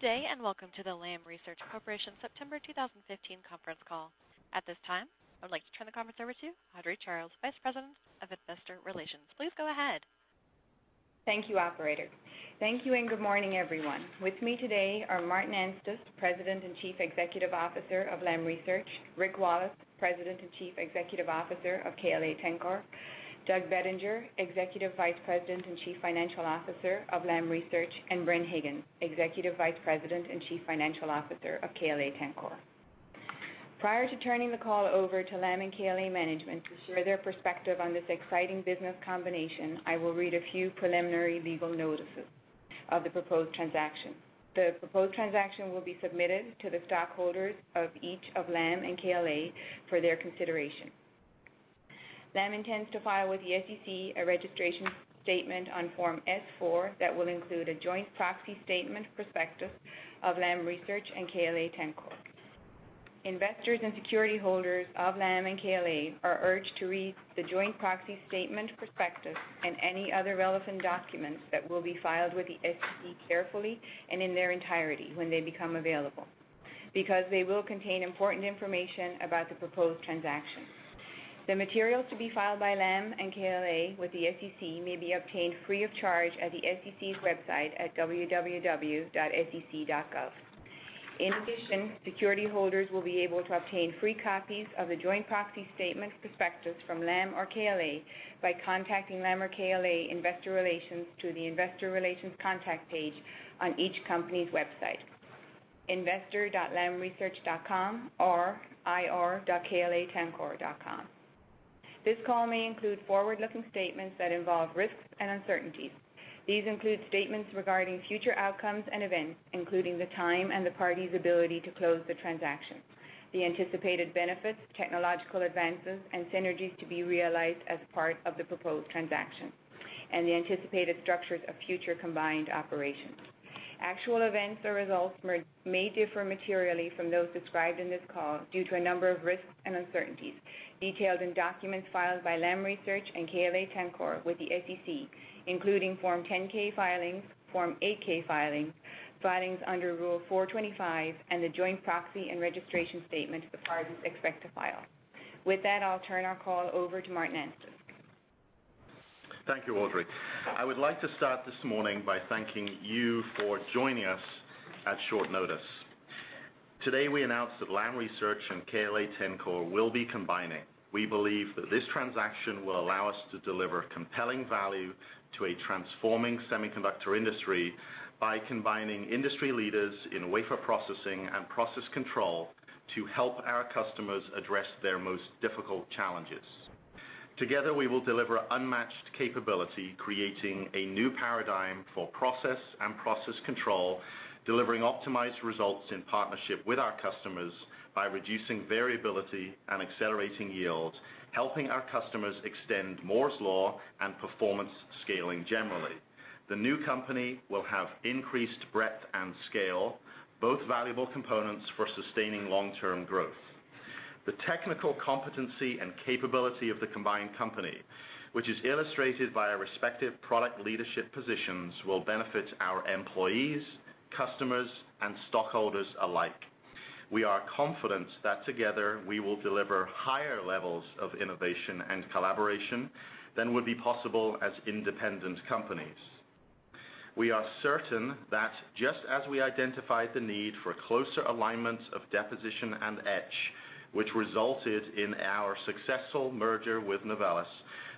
Good day, and welcome to the Lam Research Corporation September 2015 conference call. At this time, I would like to turn the conference over to Audrey Charles, Vice President of Investor Relations. Please go ahead. Thank you, operator. Thank you. Good morning, everyone. With me today are Martin Anstice, President and Chief Executive Officer of Lam Research; Rick Wallace, President and Chief Executive Officer of KLA-Tencor; Doug Bettinger, Executive Vice President and Chief Financial Officer of Lam Research; and Bren Higgins, Executive Vice President and Chief Financial Officer of KLA-Tencor. Prior to turning the call over to Lam and KLA management to share their perspective on this exciting business combination, I will read a few preliminary legal notices of the proposed transaction. The proposed transaction will be submitted to the stockholders of each of Lam and KLA for their consideration. Lam intends to file with the SEC a registration statement on Form S-4 that will include a joint proxy statement prospectus of Lam Research and KLA-Tencor. Investors and security holders of Lam and KLA are urged to read the joint proxy statement prospectus and any other relevant documents that will be filed with the SEC carefully and in their entirety when they become available, because they will contain important information about the proposed transaction. The materials to be filed by Lam and KLA with the SEC may be obtained free of charge at the SEC's website at www.sec.gov. In addition, security holders will be able to obtain free copies of the joint proxy statement prospectus from Lam or KLA by contacting Lam or KLA Investor Relations through the investor relations contact page on each company's website, investor.lamresearch.com or ir.klatencor.com. This call may include forward-looking statements that involve risks and uncertainties. These include statements regarding future outcomes and events, including the time and the parties' ability to close the transaction, the anticipated benefits, technological advances, and synergies to be realized as part of the proposed transaction, and the anticipated structures of future combined operations. Actual events or results may differ materially from those described in this call due to a number of risks and uncertainties detailed in documents filed by Lam Research and KLA-Tencor with the SEC, including Form 10-K filings, Form 8-K filings under Rule 425, and the joint proxy and registration statement the parties expect to file. With that, I'll turn our call over to Martin Anstice. Thank you, Audrey. I would like to start this morning by thanking you for joining us at short notice. Today, we announce that Lam Research and KLA-Tencor will be combining. We believe that this transaction will allow us to deliver compelling value to a transforming semiconductor industry by combining industry leaders in wafer processing and process control to help our customers address their most difficult challenges. Together, we will deliver unmatched capability, creating a new paradigm for process and process control, delivering optimized results in partnership with our customers by reducing variability and accelerating yields, helping our customers extend Moore's Law and performance scaling generally. The new company will have increased breadth and scale, both valuable components for sustaining long-term growth. The technical competency and capability of the combined company, which is illustrated by our respective product leadership positions, will benefit our employees, customers, and stockholders alike. We are confident that together we will deliver higher levels of innovation and collaboration than would be possible as independent companies. We are certain that just as we identified the need for closer alignment of deposition and etch, which resulted in our successful merger with Novellus,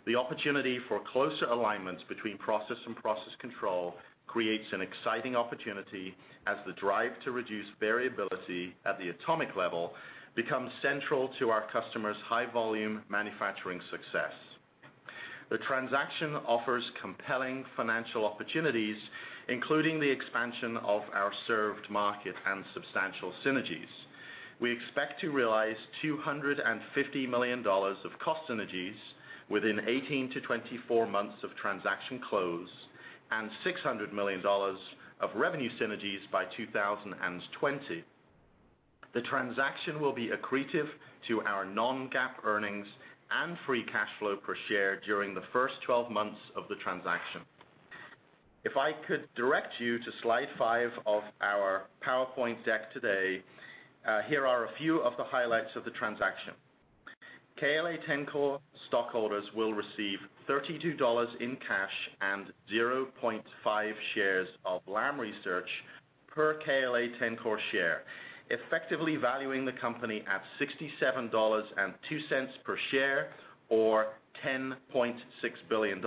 the opportunity for closer alignment between process and process control creates an exciting opportunity as the drive to reduce variability at the atomic level becomes central to our customers' high-volume manufacturing success. The transaction offers compelling financial opportunities, including the expansion of our served market and substantial synergies. We expect to realize $250 million of cost synergies within 18 to 24 months of transaction close and $600 million of revenue synergies by 2020. The transaction will be accretive to our non-GAAP earnings and free cash flow per share during the first 12 months of the transaction. If I could direct you to slide five of our PowerPoint deck today, here are a few of the highlights of the transaction. KLA-Tencor stockholders will receive $32 in cash and 0.5 shares of Lam Research per KLA-Tencor share, effectively valuing the company at $67.02 per share or $10.6 billion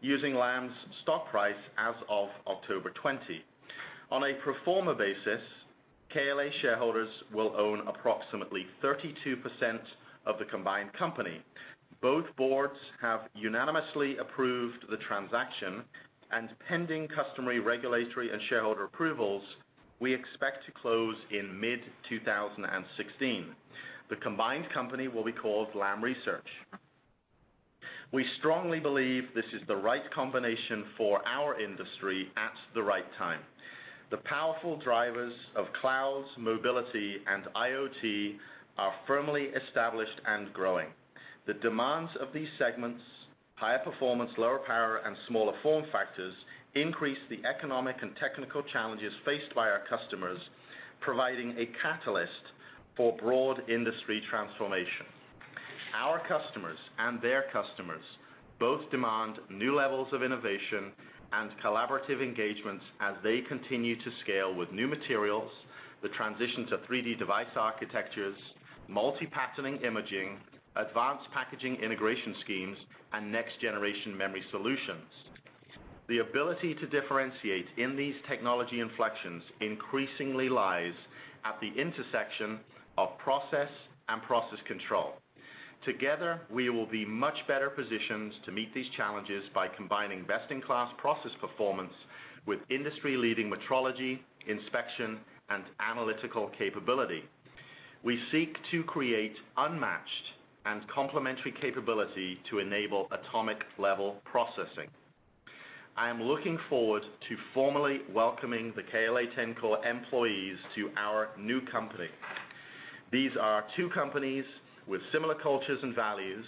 using Lam's stock price as of October 20. On a pro forma basis, KLA shareholders will own approximately 32% of the combined company. Both boards have unanimously approved the transaction, and pending customary regulatory and shareholder approvals, we expect to close in mid-2016. The combined company will be called Lam Research. We strongly believe this is the right combination for our industry at the right time. The powerful drive Mobility, and IoT are firmly established and growing. The demands of these segments, higher performance, lower power, and smaller form factors increase the economic and technical challenges faced by our customers, providing a catalyst for broad industry transformation. Our customers and their customers both demand new levels of innovation and collaborative engagements as they continue to scale with new materials, the transition to 3D device architectures, multi-patterning imaging, advanced packaging integration schemes, and next-generation memory solutions. The ability to differentiate in these technology inflections increasingly lies at the intersection of process and process control. Together, we will be much better positioned to meet these challenges by combining best-in-class process performance with industry-leading metrology, inspection, and analytical capability. We seek to create unmatched and complementary capability to enable atomic-level processing. I am looking forward to formally welcoming the KLA-Tencor employees to our new company. These are two companies with similar cultures and values,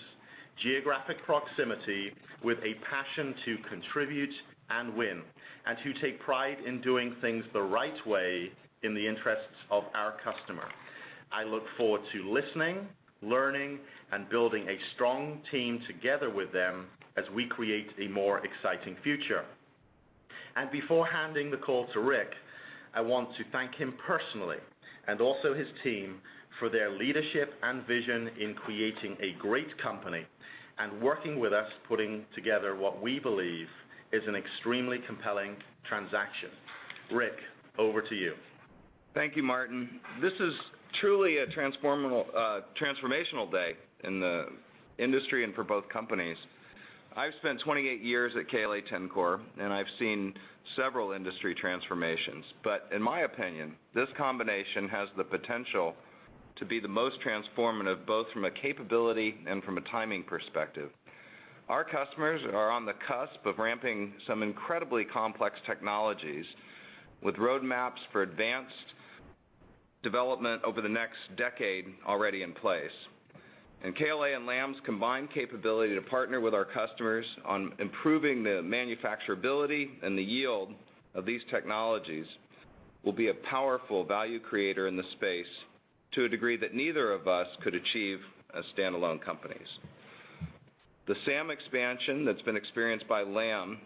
geographic proximity, with a passion to contribute and win, and who take pride in doing things the right way in the interests of our customer. I look forward to listening, learning, and building a strong team together with them as we create a more exciting future. Before handing the call to Rick, I want to thank him personally, and also his team, for their leadership and vision in creating a great company and working with us, putting together what we believe is an extremely compelling transaction. Rick, over to you. Thank you, Martin. This is truly a transformational day in the industry and for both companies. I've spent 28 years at KLA-Tencor, and I've seen several industry transformations. In my opinion, this combination has the potential to be the most transformative, both from a capability and from a timing perspective. Our customers are on the cusp of ramping some incredibly complex technologies with roadmaps for advanced development over the next decade already in place. KLA and Lam's combined capability to partner with our customers on improving the manufacturability and the yield of these technologies will be a powerful value creator in the space to a degree that neither of us could achieve as standalone companies. The SAM expansion that's been experienced by Lam,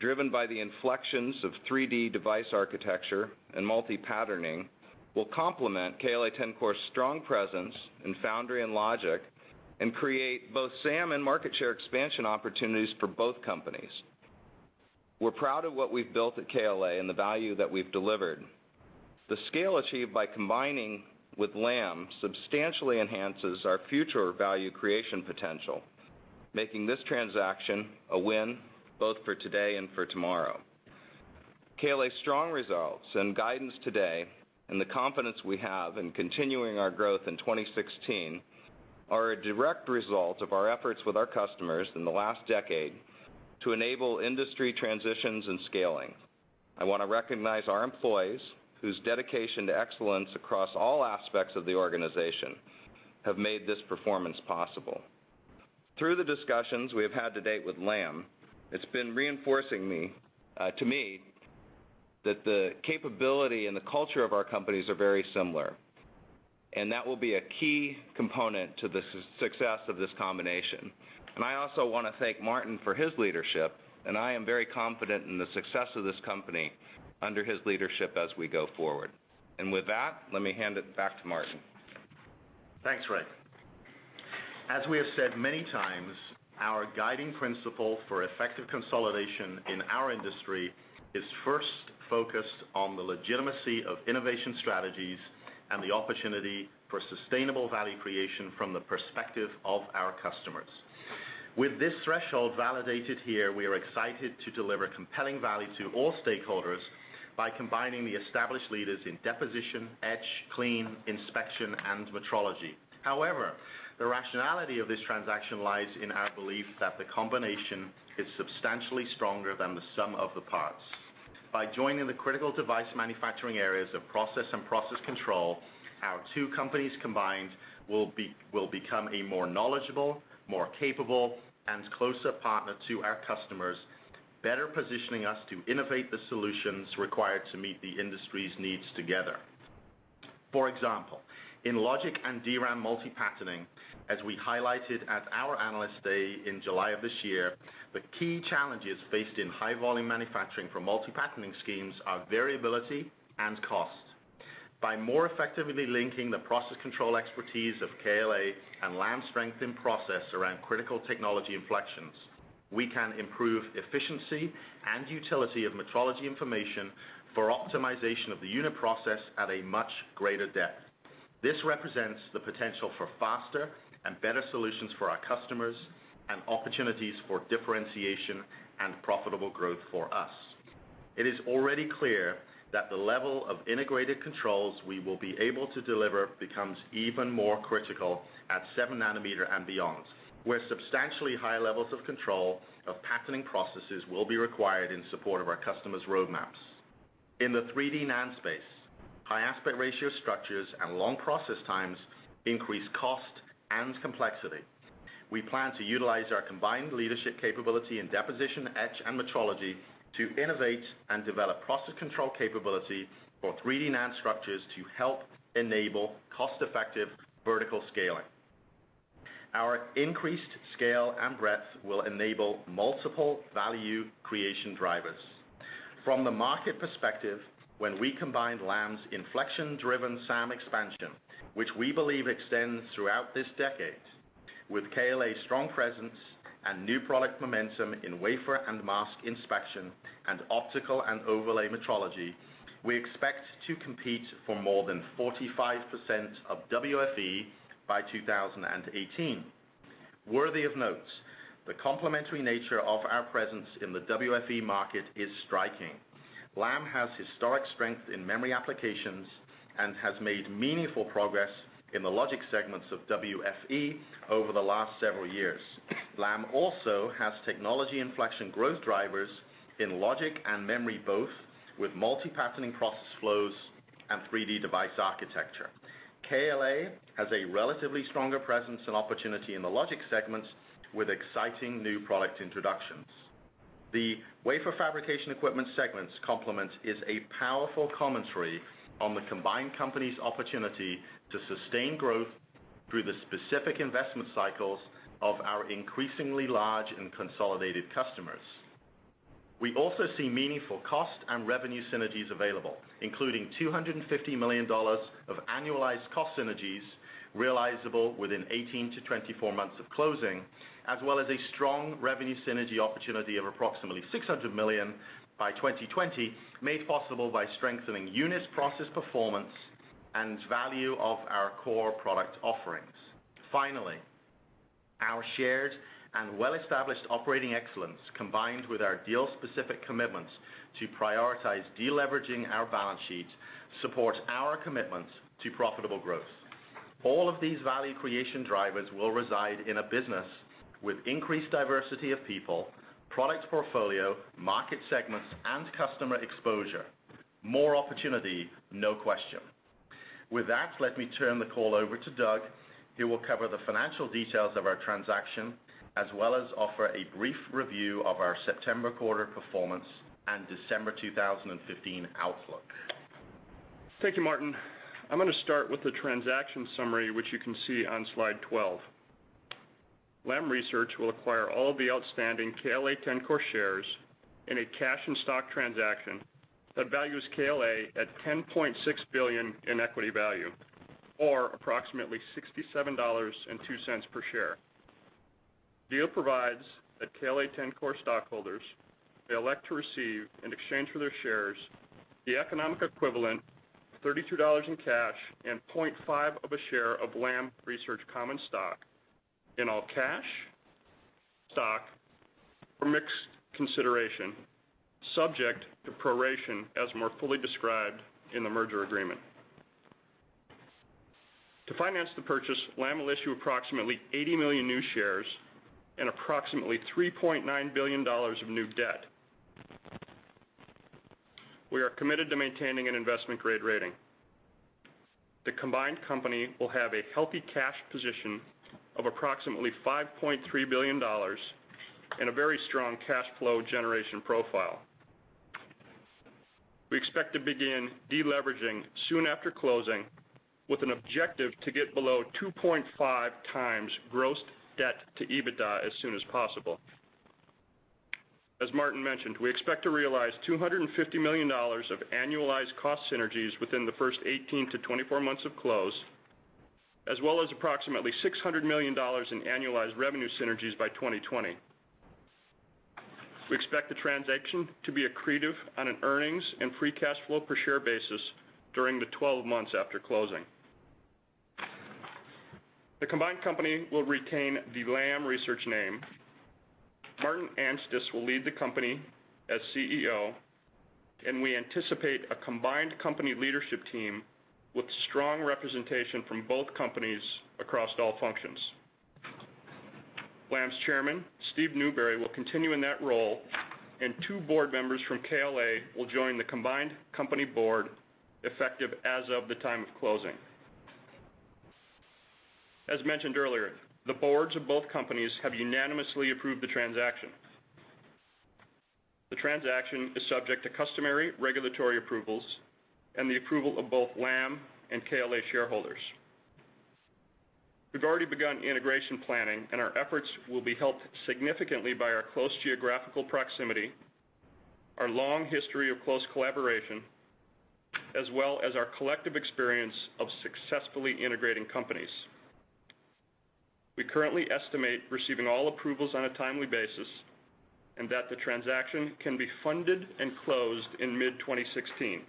driven by the inflections of 3D device architecture and multi-patterning, will complement KLA-Tencor's strong presence in foundry and logic and create both SAM and market share expansion opportunities for both companies. We're proud of what we've built at KLA and the value that we've delivered. The scale achieved by combining with Lam substantially enhances our future value creation potential, making this transaction a win both for today and for tomorrow. KLA's strong results and guidance today, and the confidence we have in continuing our growth in 2016, are a direct result of our efforts with our customers in the last decade to enable industry transitions and scaling. I want to recognize our employees, whose dedication to excellence across all aspects of the organization have made this performance possible. Through the discussions we have had to date with Lam, it's been reinforcing to me that the capability and the culture of our companies are very similar, that will be a key component to the success of this combination. I also want to thank Martin for his leadership, and I am very confident in the success of this company under his leadership as we go forward. With that, let me hand it back to Martin. Thanks, Rick. As we have said many times, our guiding principle for effective consolidation in our industry is first focused on the legitimacy of innovation strategies and the opportunity for sustainable value creation from the perspective of our customers. With this threshold validated here, we are excited to deliver compelling value to all stakeholders by combining the established leaders in deposition, etch, clean, inspection, and metrology. The rationality of this transaction lies in our belief that the combination is substantially stronger than the sum of the parts. By joining the critical device manufacturing areas of process and process control, our two companies combined will become a more knowledgeable, more capable, and closer partner to our customers, better positioning us to innovate the solutions required to meet the industry's needs together. For example, in logic and DRAM multi-patterning, as we highlighted at our Analyst Day in July of this year, the key challenges faced in high-volume manufacturing for multi-patterning schemes are variability and cost. By more effectively linking the process control expertise of KLA and Lam's strength in process around critical technology inflections, we can improve efficiency and utility of metrology information for optimization of the unit process at a much greater depth. This represents the potential for faster and better solutions for our customers and opportunities for differentiation and profitable growth for us. It is already clear that the level of integrated controls we will be able to deliver becomes even more critical at seven nanometer and beyond, where substantially higher levels of control of patterning processes will be required in support of our customers' roadmaps. In the 3D NAND space, high aspect ratio structures and long process times increase cost and complexity. We plan to utilize our combined leadership capability in deposition, etch, and metrology to innovate and develop process control capability for 3D NAND structures to help enable cost-effective vertical scaling. Our increased scale and breadth will enable multiple value creation drivers. From the market perspective, when we combined Lam's inflection-driven SAM expansion, which we believe extends throughout this decade, with KLA's strong presence and new product momentum in wafer and mask inspection and optical and overlay metrology, we expect to compete for more than 45% of WFE by 2018. Worthy of note, the complementary nature of our presence in the WFE market is striking. Lam has historic strength in memory applications and has made meaningful progress in the logic segments of WFE over the last several years. Lam also has technology inflection growth drivers in logic and memory, both with multi-patterning process flows and 3D device architecture. KLA has a relatively stronger presence and opportunity in the logic segments with exciting new product introductions. The wafer fabrication equipment segments complement is a powerful commentary on the combined company's opportunity to sustain growth through the specific investment cycles of our increasingly large and consolidated customers. We also see meaningful cost and revenue synergies available, including $250 million of annualized cost synergies realizable within 18-24 months of closing, as well as a strong revenue synergy opportunity of approximately $600 million by 2020, made possible by strengthening units, process performance, and value of our core product offerings. Our shared and well-established operating excellence, combined with our deal-specific commitments to prioritize de-leveraging our balance sheet, supports our commitments to profitable growth. All of these value creation drivers will reside in a business with increased diversity of people, product portfolio, market segments, and customer exposure. More opportunity, no question. With that, let me turn the call over to Doug, who will cover the financial details of our transaction as well as offer a brief review of our September quarter performance and December 2015 outlook. Thank you, Martin. I'm going to start with the transaction summary, which you can see on slide 12. Lam Research will acquire all the outstanding KLA-Tencor shares in a cash and stock transaction that values KLA at $10.6 billion in equity value or approximately $67.02 per share. Deal provides that KLA-Tencor stockholders, they elect to receive, in exchange for their shares, the economic equivalent of $32 in cash and 0.5 of a share of Lam Research common stock in all cash, stock, or mixed consideration, subject to proration as more fully described in the merger agreement. To finance the purchase, Lam will issue approximately 80 million new shares and approximately $3.9 billion of new debt. We are committed to maintaining an investment-grade rating. The combined company will have a healthy cash position of approximately $5.3 billion and a very strong cash flow generation profile. We expect to begin de-leveraging soon after closing, with an objective to get below 2.5 times gross debt to EBITDA as soon as possible. As Martin mentioned, we expect to realize $250 million of annualized cost synergies within the first 18 to 24 months of close, as well as approximately $600 million in annualized revenue synergies by 2020. We expect the transaction to be accretive on an earnings and free cash flow per share basis during the 12 months after closing. The combined company will retain the Lam Research name. Martin Anstice will lead the company as CEO, and we anticipate a combined company leadership team with strong representation from both companies across all functions. Lam's chairman, Steve Newberry, will continue in that role, and two board members from KLA will join the combined company board effective as of the time of closing. As mentioned earlier, the boards of both companies have unanimously approved the transaction. The transaction is subject to customary regulatory approvals and the approval of both Lam and KLA shareholders. We've already begun integration planning, and our efforts will be helped significantly by our close geographical proximity, our long history of close collaboration, as well as our collective experience of successfully integrating companies. We currently estimate receiving all approvals on a timely basis and that the transaction can be funded and closed in mid-2016.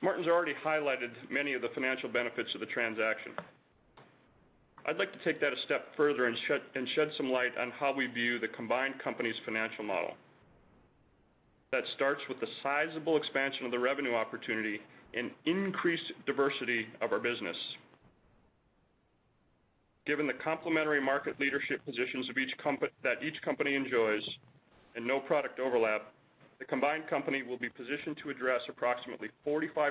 Martin's already highlighted many of the financial benefits of the transaction. I'd like to take that a step further and shed some light on how we view the combined company's financial model. That starts with the sizable expansion of the revenue opportunity and increased diversity of our business. Given the complementary market leadership positions that each company enjoys, and no product overlap, the combined company will be positioned to address approximately 45%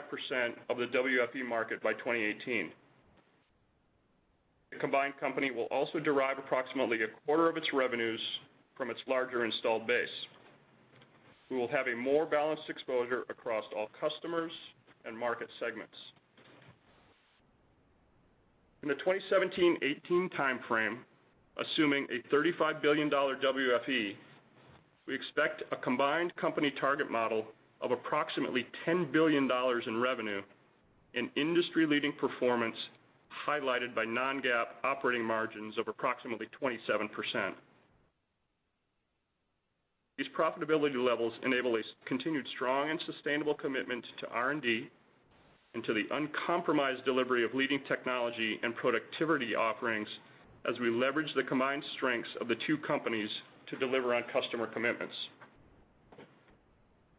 of the WFE market by 2018. The combined company will also derive approximately a quarter of its revenues from its larger installed base. We will have a more balanced exposure across all customers and market segments. In the 2017-18 timeframe, assuming a $35 billion WFE, we expect a combined company target model of approximately $10 billion in revenue, and industry-leading performance highlighted by non-GAAP operating margins of approximately 27%. These profitability levels enable a continued strong and sustainable commitment to R&D, and to the uncompromised delivery of leading technology and productivity offerings as we leverage the combined strengths of the two companies to deliver on customer commitments.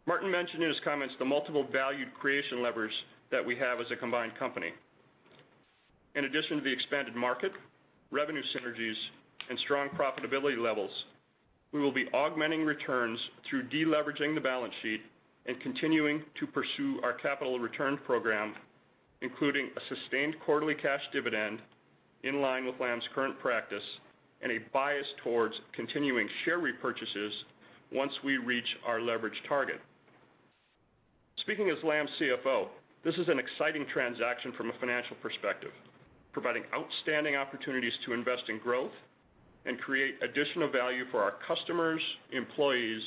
Martin mentioned in his comments the multiple value creation levers that we have as a combined company. In addition to the expanded market, revenue synergies, and strong profitability levels, we will be augmenting returns through de-leveraging the balance sheet and continuing to pursue our capital return program, including a sustained quarterly cash dividend in line with Lam's current practice, and a bias towards continuing share repurchases once we reach our leverage target. Speaking as Lam's CFO, this is an exciting transaction from a financial perspective, providing outstanding opportunities to invest in growth and create additional value for our customers, employees,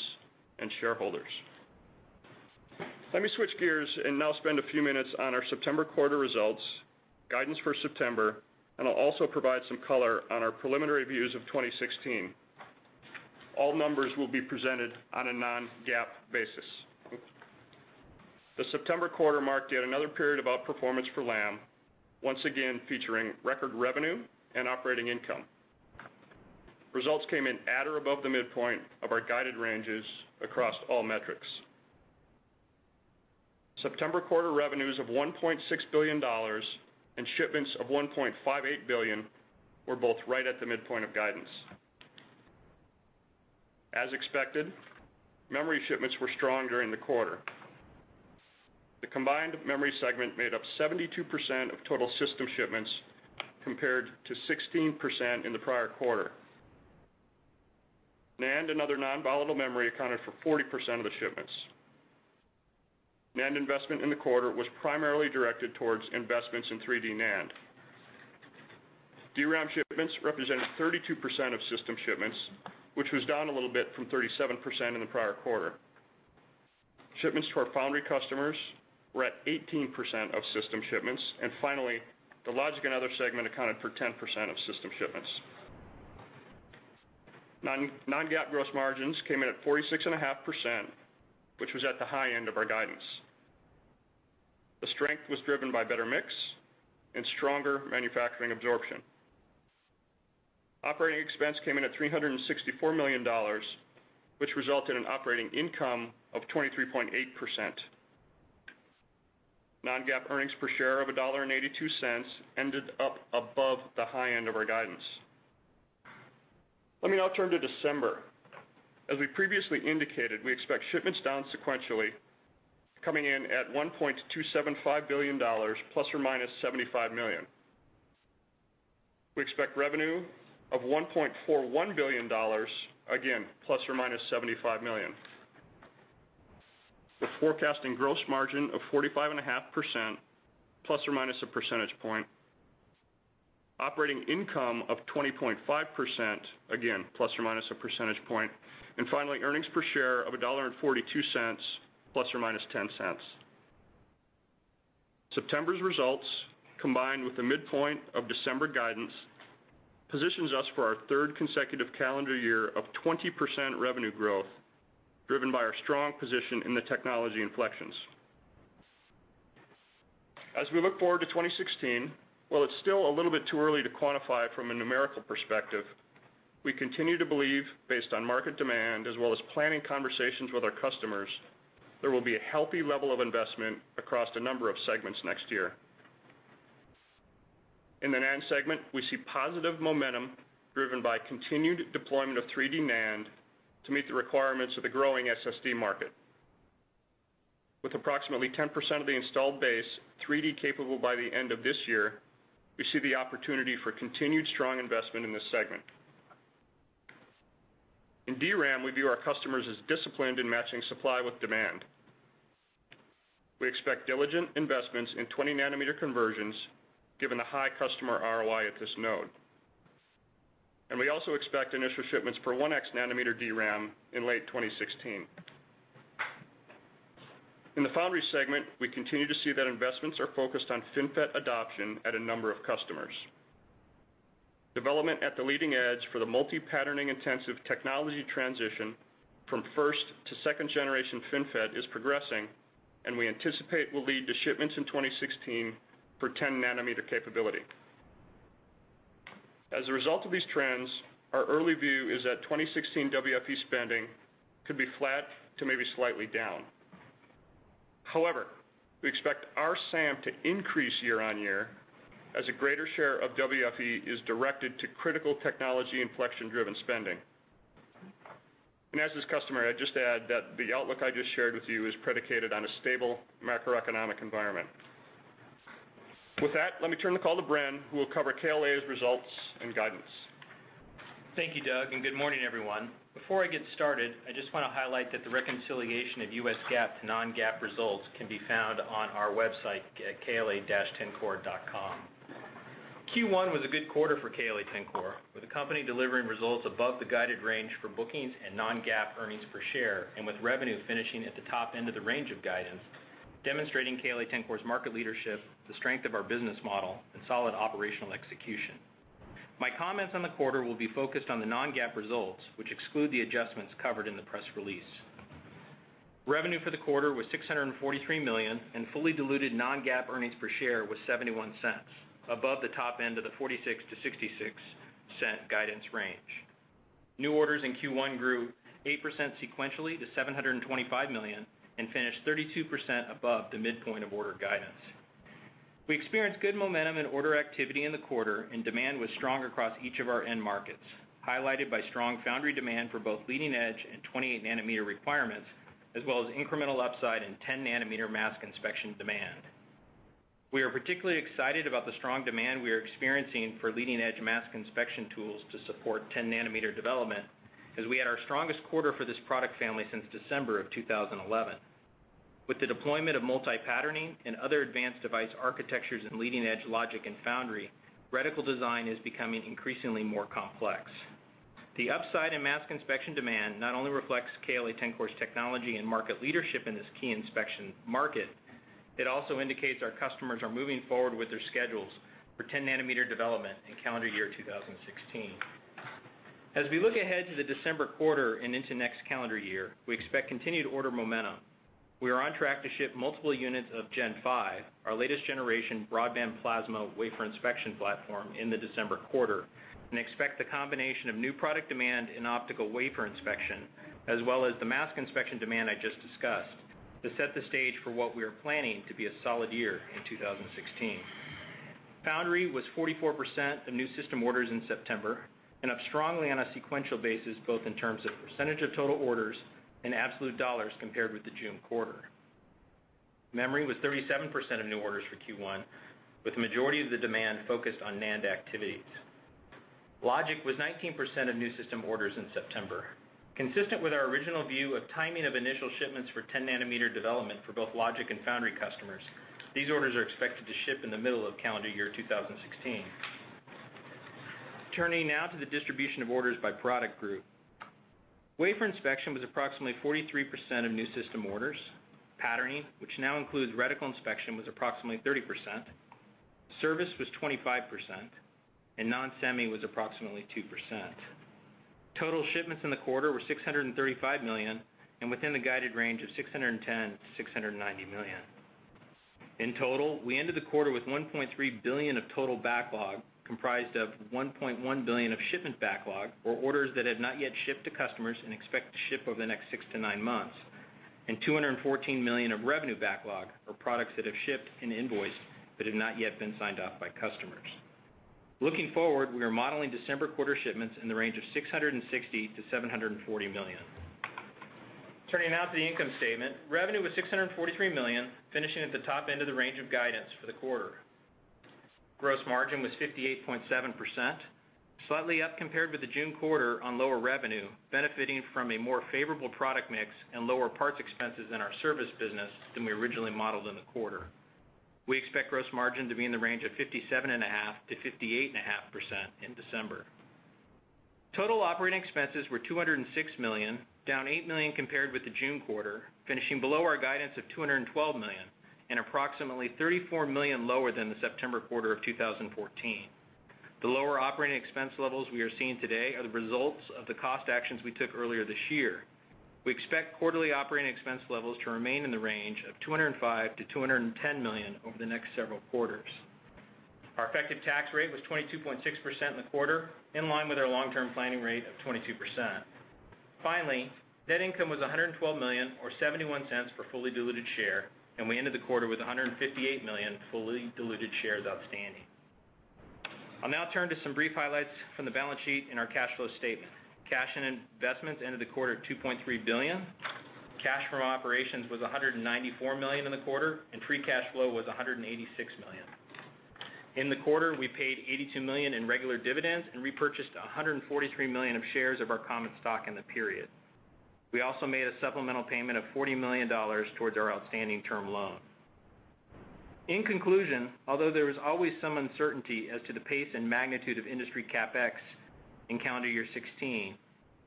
and shareholders. Let me switch gears and now spend a few minutes on our September quarter results, guidance for September, and I'll also provide some color on our preliminary views of 2016. All numbers will be presented on a non-GAAP basis. The September quarter marked yet another period of outperformance for Lam, once again featuring record revenue and operating income. Results came in at or above the midpoint of our guided ranges across all metrics. September quarter revenues of $1.6 billion and shipments of $1.58 billion were both right at the midpoint of guidance. As expected, memory shipments were strong during the quarter. The combined memory segment made up 72% of total system shipments, compared to 16% in the prior quarter. NAND and other non-volatile memory accounted for 40% of the shipments. NAND investment in the quarter was primarily directed towards investments in 3D NAND. DRAM shipments represented 32% of system shipments, which was down a little bit from 37% in the prior quarter. Shipments to our foundry customers were at 18% of system shipments. Finally, the logic and other segment accounted for 10% of system shipments. Non-GAAP gross margins came in at 46.5%, which was at the high end of our guidance. The strength was driven by better mix and stronger manufacturing absorption. Operating expense came in at $364 million, which resulted in operating income of 23.8%. Non-GAAP earnings per share of $1.82 ended up above the high end of our guidance. Let me now turn to December. As we previously indicated, we expect shipments down sequentially, coming in at $1.275 billion, ±$75 million. We expect revenue of $1.41 billion, again, ±$75 million. We're forecasting gross margin of 45.5%, ±1 percentage point, operating income of 20.5%, again, ±1 percentage point, and finally, earnings per share of $1.42, ±$0.10. September's results, combined with the midpoint of December guidance, positions us for our third consecutive calendar year of 20% revenue growth, driven by our strong position in the technology inflections. As we look forward to 2016, while it's still a little bit too early to quantify from a numerical perspective, we continue to believe, based on market demand as well as planning conversations with our customers, there will be a healthy level of investment across a number of segments next year. In the NAND segment, we see positive momentum driven by continued deployment of 3D NAND to meet the requirements of the growing SSD market. With approximately 10% of the installed base 3D capable by the end of this year, we see the opportunity for continued strong investment in this segment. In DRAM, we view our customers as disciplined in matching supply with demand. We expect diligent investments in 20 nanometer conversions given the high customer ROI at this node, we also expect initial shipments for 1x nanometer DRAM in late 2016. In the foundry segment, we continue to see that investments are focused on FinFET adoption at a number of customers. Development at the leading edge for the multi-patterning intensive technology transition from first to second-generation FinFET is progressing, and we anticipate will lead to shipments in 2016 for 10 nanometer capability. As a result of these trends, our early view is that 2016 WFE spending could be flat to maybe slightly down. However, we expect our SAM to increase year-on-year as a greater share of WFE is directed to critical technology inflection-driven spending. As does customer, I'd just add that the outlook I just shared with you is predicated on a stable macroeconomic environment. With that, let me turn the call to Bren, who will cover KLA's results and guidance. Thank you, Doug, and good morning, everyone. Before I get started, I just want to highlight that the reconciliation of U.S. GAAP to non-GAAP results can be found on our website at kla-tencor.com. Q1 was a good quarter for KLA-Tencor, with the company delivering results above the guided range for bookings and non-GAAP earnings per share, and with revenue finishing at the top end of the range of guidance, demonstrating KLA-Tencor's market leadership, the strength of our business model, and solid operational execution. My comments on the quarter will be focused on the non-GAAP results, which exclude the adjustments covered in the press release. Revenue for the quarter was $643 million, and fully diluted non-GAAP earnings per share was $0.71, above the top end of the $0.46-$0.66 guidance range. New orders in Q1 grew 8% sequentially to $725 million and finished 32% above the midpoint of order guidance. We experienced good momentum and order activity in the quarter, and demand was strong across each of our end markets, highlighted by strong foundry demand for both leading-edge and 28-nanometer requirements, as well as incremental upside in 10-nanometer mask inspection demand. We are particularly excited about the strong demand we are experiencing for leading-edge mask inspection tools to support 10-nanometer development, as we had our strongest quarter for this product family since December of 2011. With the deployment of multi-patterning and other advanced device architectures in leading-edge logic and foundry, radical design is becoming increasingly more complex. The upside in mask inspection demand not only reflects KLA-Tencor's technology and market leadership in this key inspection market, it also indicates our customers are moving forward with their schedules for 10-nanometer development in calendar year 2016. We look ahead to the December quarter and into next calendar year, we expect continued order momentum. We are on track to ship multiple units of Gen 5, our latest generation broadband plasma wafer inspection platform, in the December quarter, and expect the combination of new product demand in optical wafer inspection, as well as the mask inspection demand I just discussed, to set the stage for what we are planning to be a solid year in 2016. Foundry was 44% of new system orders in September and up strongly on a sequential basis, both in terms of percentage of total orders and absolute dollars compared with the June quarter. Memory was 37% of new orders for Q1, with the majority of the demand focused on NAND activities. Logic was 19% of new system orders in September. Consistent with our original view of timing of initial shipments for 10-nanometer development for both logic and foundry customers, these orders are expected to ship in the middle of calendar year 2016. Turning now to the distribution of orders by product group. Wafer inspection was approximately 43% of new system orders. Patterning, which now includes reticle inspection, was approximately 30%. Service was 25%, and non-semi was approximately 2%. Total shipments in the quarter were $635 million and within the guided range of $610 million-$690 million. In total, we ended the quarter with $1.3 billion of total backlog, comprised of $1.1 billion of shipment backlog for orders that have not yet shipped to customers and expect to ship over the next six to nine months, and $214 million of revenue backlog for products that have shipped and invoiced but have not yet been signed off by customers. Looking forward, we are modeling December quarter shipments in the range of $660 million-$740 million. Turning now to the income statement. Revenue was $643 million, finishing at the top end of the range of guidance for the quarter. Gross margin was 58.7%, slightly up compared with the June quarter on lower revenue, benefiting from a more favorable product mix and lower parts expenses in our service business than we originally modeled in the quarter. We expect gross margin to be in the range of 57.5%-58.5% in December. Total operating expenses were $206 million, down $8 million compared with the June quarter, finishing below our guidance of $212 million, and approximately $34 million lower than the September quarter of 2014. The lower operating expense levels we are seeing today are the results of the cost actions we took earlier this year. We expect quarterly operating expense levels to remain in the range of $205 million-$210 million over the next several quarters. Our effective tax rate was 22.6% in the quarter, in line with our long-term planning rate of 22%. Finally, net income was $112 million or $0.71 per fully diluted share, and we ended the quarter with 158 million fully diluted shares outstanding. I'll now turn to some brief highlights from the balance sheet and our cash flow statement. Cash and investments ended the quarter at $2.3 billion. Cash from operations was $194 million in the quarter, and free cash flow was $186 million. In the quarter, we paid $82 million in regular dividends and repurchased $143 million of shares of our common stock in the period. We also made a supplemental payment of $40 million towards our outstanding term loan. In conclusion, although there is always some uncertainty as to the pace and magnitude of industry CapEx in calendar year 2016,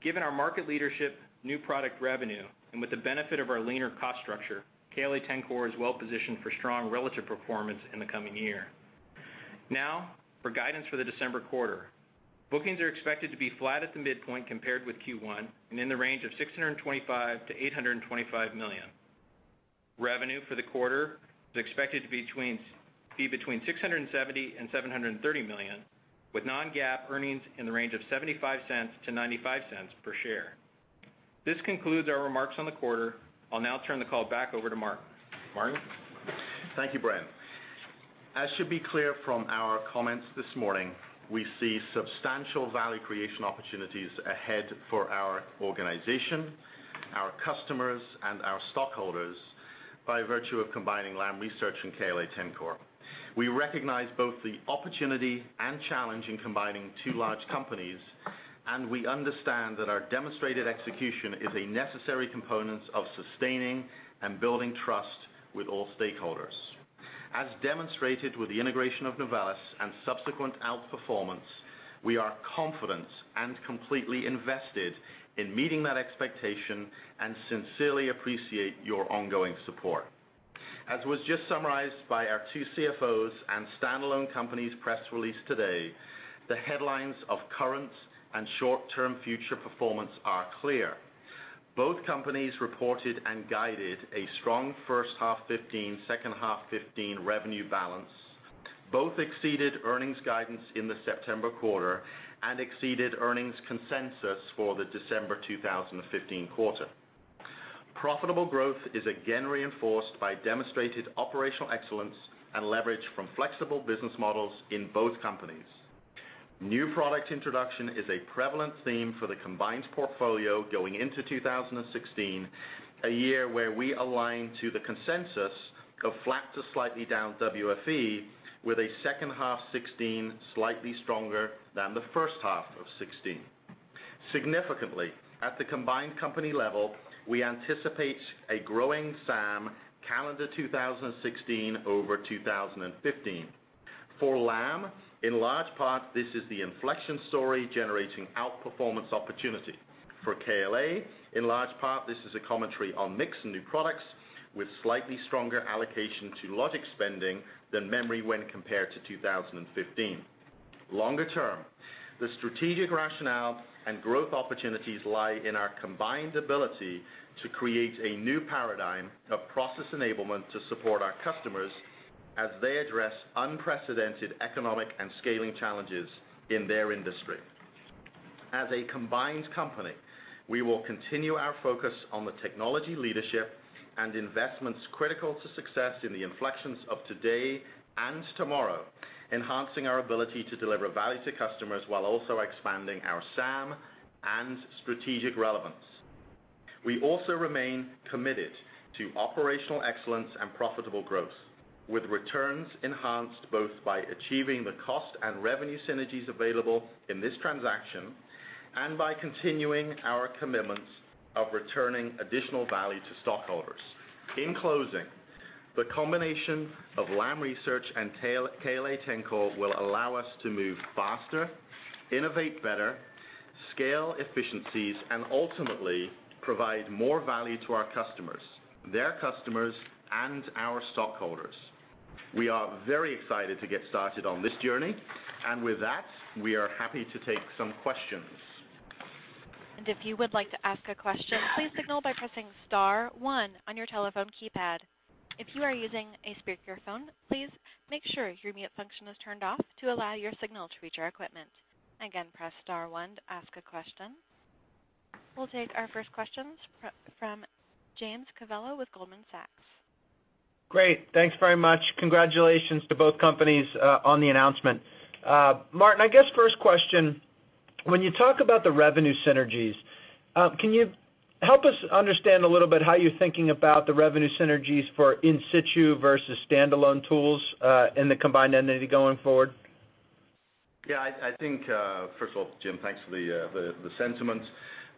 given our market leadership, new product revenue, and with the benefit of our leaner cost structure, KLA-Tencor is well positioned for strong relative performance in the coming year. Now, for guidance for the December quarter. Bookings are expected to be flat at the midpoint compared with Q1 and in the range of $625 million-$825 million. Revenue for the quarter is expected to be between $670 million and $730 million with non-GAAP earnings in the range of $0.75 to $0.95 per share. This concludes our remarks on the quarter. I'll now turn the call back over to Martin. Martin? Thank you, Bren. As should be clear from our comments this morning, we see substantial value creation opportunities ahead for our organization, our customers, and our stockholders by virtue of combining Lam Research and KLA-Tencor. We recognize both the opportunity and challenge in combining two large companies, and we understand that our demonstrated execution is a necessary component of sustaining and building trust with all stakeholders. As demonstrated with the integration of Novellus and subsequent outperformance, we are confident and completely invested in meeting that expectation, and sincerely appreciate your ongoing support. As was just summarized by our two CFOs and standalone companies press release today, the headlines of current and short-term future performance are clear. Both companies reported and guided a strong first half 2015, second half 2015 revenue balance, both exceeded earnings guidance in the September quarter, and exceeded earnings consensus for the December 2015 quarter. Profitable growth is again reinforced by demonstrated operational excellence and leverage from flexible business models in both companies. New product introduction is a prevalent theme for the combined portfolio going into 2016, a year where we align to the consensus of flat to slightly down WFE with a second half 2016 slightly stronger than the first half of 2016. Significantly, at the combined company level, we anticipate a growing SAM calendar 2016 over 2015. For Lam, in large part, this is the inflection story generating outperformance opportunity. For KLA, in large part, this is a commentary on mix and new products with slightly stronger allocation to logic spending than memory when compared to 2015. Longer term, the strategic rationale and growth opportunities lie in our combined ability to create a new paradigm of process enablement to support our customers as they address unprecedented economic and scaling challenges in their industry. As a combined company, we will continue our focus on the technology leadership and investments critical to success in the inflections of today and tomorrow, enhancing our ability to deliver value to customers while also expanding our SAM and strategic relevance. We also remain committed to operational excellence and profitable growth, with returns enhanced both by achieving the cost and revenue synergies available in this transaction and by continuing our commitments of returning additional value to stockholders. In closing, the combination of Lam Research and KLA-Tencor will allow us to move faster, innovate better, scale efficiencies, and ultimately provide more value to our customers, their customers, and our stockholders. We are very excited to get started on this journey, and with that, we are happy to take some questions. If you would like to ask a question, please signal by pressing star 1 on your telephone keypad. If you are using a speakerphone, please make sure your mute function is turned off to allow your signal to reach our equipment. Again, press star 1 to ask a question. We'll take our first questions from James Covello with Goldman Sachs. Great. Thanks very much. Congratulations to both companies on the announcement. Martin, I guess first question, when you talk about the revenue synergies, can you help us understand a little bit how you're thinking about the revenue synergies for in situ versus standalone tools in the combined entity going forward? Yeah. First of all, Jim, thanks for the sentiments.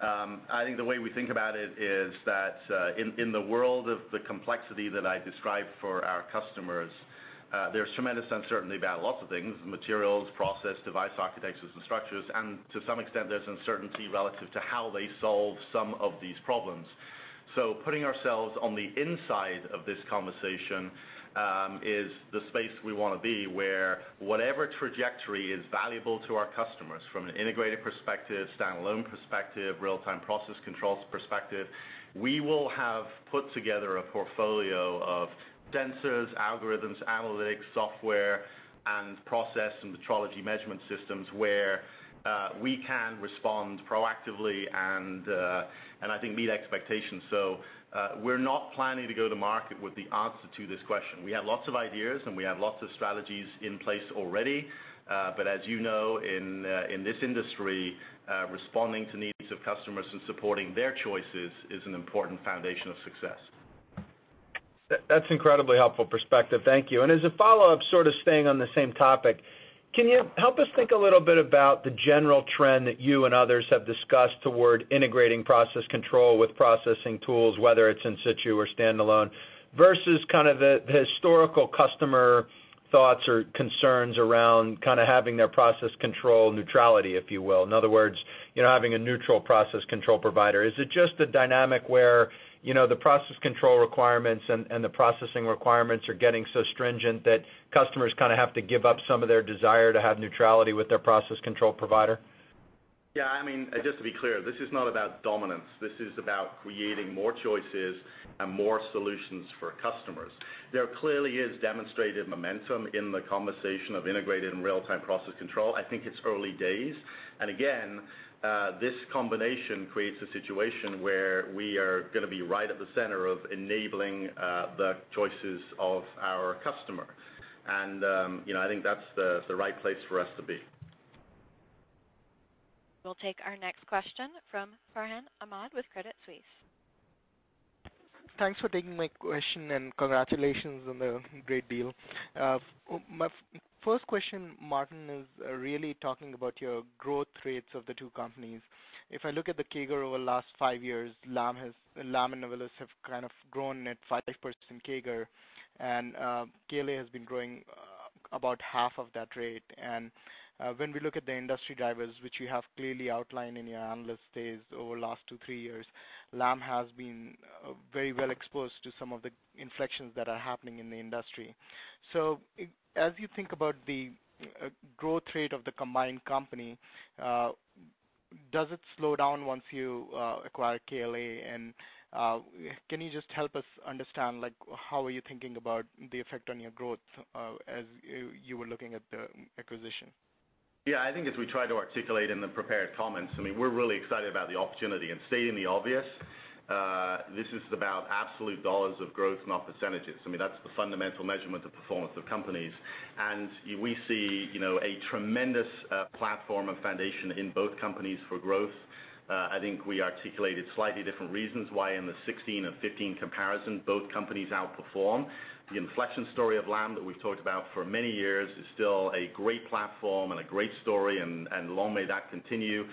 I think the way we think about it is that in the world of the complexity that I described for our customers, there's tremendous uncertainty about lots of things, materials, process, device architectures, and structures, and to some extent, there's uncertainty relative to how they solve some of these problems. So putting ourselves on the inside of this conversation is the space we want to be, where whatever trajectory is valuable to our customers from an integrated perspective, standalone perspective, real-time process controls perspective, we will have put together a portfolio of sensors, algorithms, analytics, software, and process and metrology measurement systems where we can respond proactively and I think meet expectations. We're not planning to go to market with the answer to this question. We have lots of ideas, and we have lots of strategies in place already. As you know, in this industry, responding to needs of customers and supporting their choices is an important foundation of success. That's incredibly helpful perspective. Thank you. As a follow-up, sort of staying on the same topic, can you help us think a little bit about the general trend that you and others have discussed toward integrating process control with processing tools, whether it's in situ or standalone, versus kind of the historical customer thoughts or concerns around kind of having their process control neutrality, if you will. In other words, having a neutral process control provider. Is it just a dynamic where the process control requirements and the processing requirements are getting so stringent that customers kind of have to give up some of their desire to have neutrality with their process control provider? Yeah, just to be clear, this is not about dominance. This is about creating more choices and more solutions for customers. There clearly is demonstrated momentum in the conversation of integrated and real-time process control. I think it's early days, and again, this combination creates a situation where we are going to be right at the center of enabling the choices of our customer. I think that's the right place for us to be. We'll take our next question from Farhan Ahmad with Credit Suisse. Thanks for taking my question, and congratulations on the great deal. My first question, Martin, is really talking about your growth rates of the two companies. If I look at the CAGR over the last five years, Lam and Novellus have kind of grown at 5% CAGR, and KLA has been growing about half of that rate. When we look at the industry drivers, which you have clearly outlined in your analyst days over the last two, three years, Lam has been very well exposed to some of the inflections that are happening in the industry. As you think about the growth rate of the combined company, does it slow down once you acquire KLA? Can you just help us understand how are you thinking about the effect on your growth as you were looking at the acquisition? Yeah. I think as we tried to articulate in the prepared comments, we're really excited about the opportunity. Stating the obvious, this is about absolute $ of growth, not percentages. That's the fundamental measurement of performance of companies. We see a tremendous platform of foundation in both companies for growth. I think we articulated slightly different reasons why in the 2016 or 2015 comparison, both companies outperform. The inflection story of Lam that we've talked about for many years is still a great platform and a great story, and long may that continue.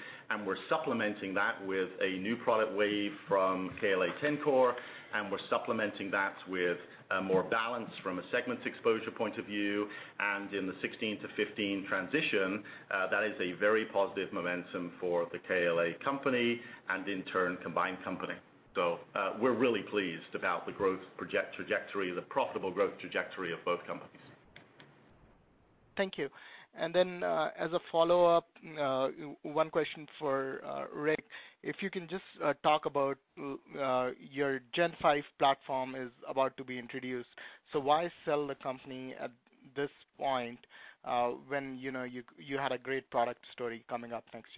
We're supplementing that with a new product wave from KLA-Tencor, and we're supplementing that with more balance from a segments exposure point of view. In the 2016 to 2015 transition, that is a very positive momentum for the KLA company and in turn, combined company. We're really pleased about the growth trajectory, the profitable growth trajectory of both companies. Thank you. As a follow-up, one question for Rick. If you can just talk about your Gen 5 platform is about to be introduced, so why sell the company at this point, when you had a great product story coming up next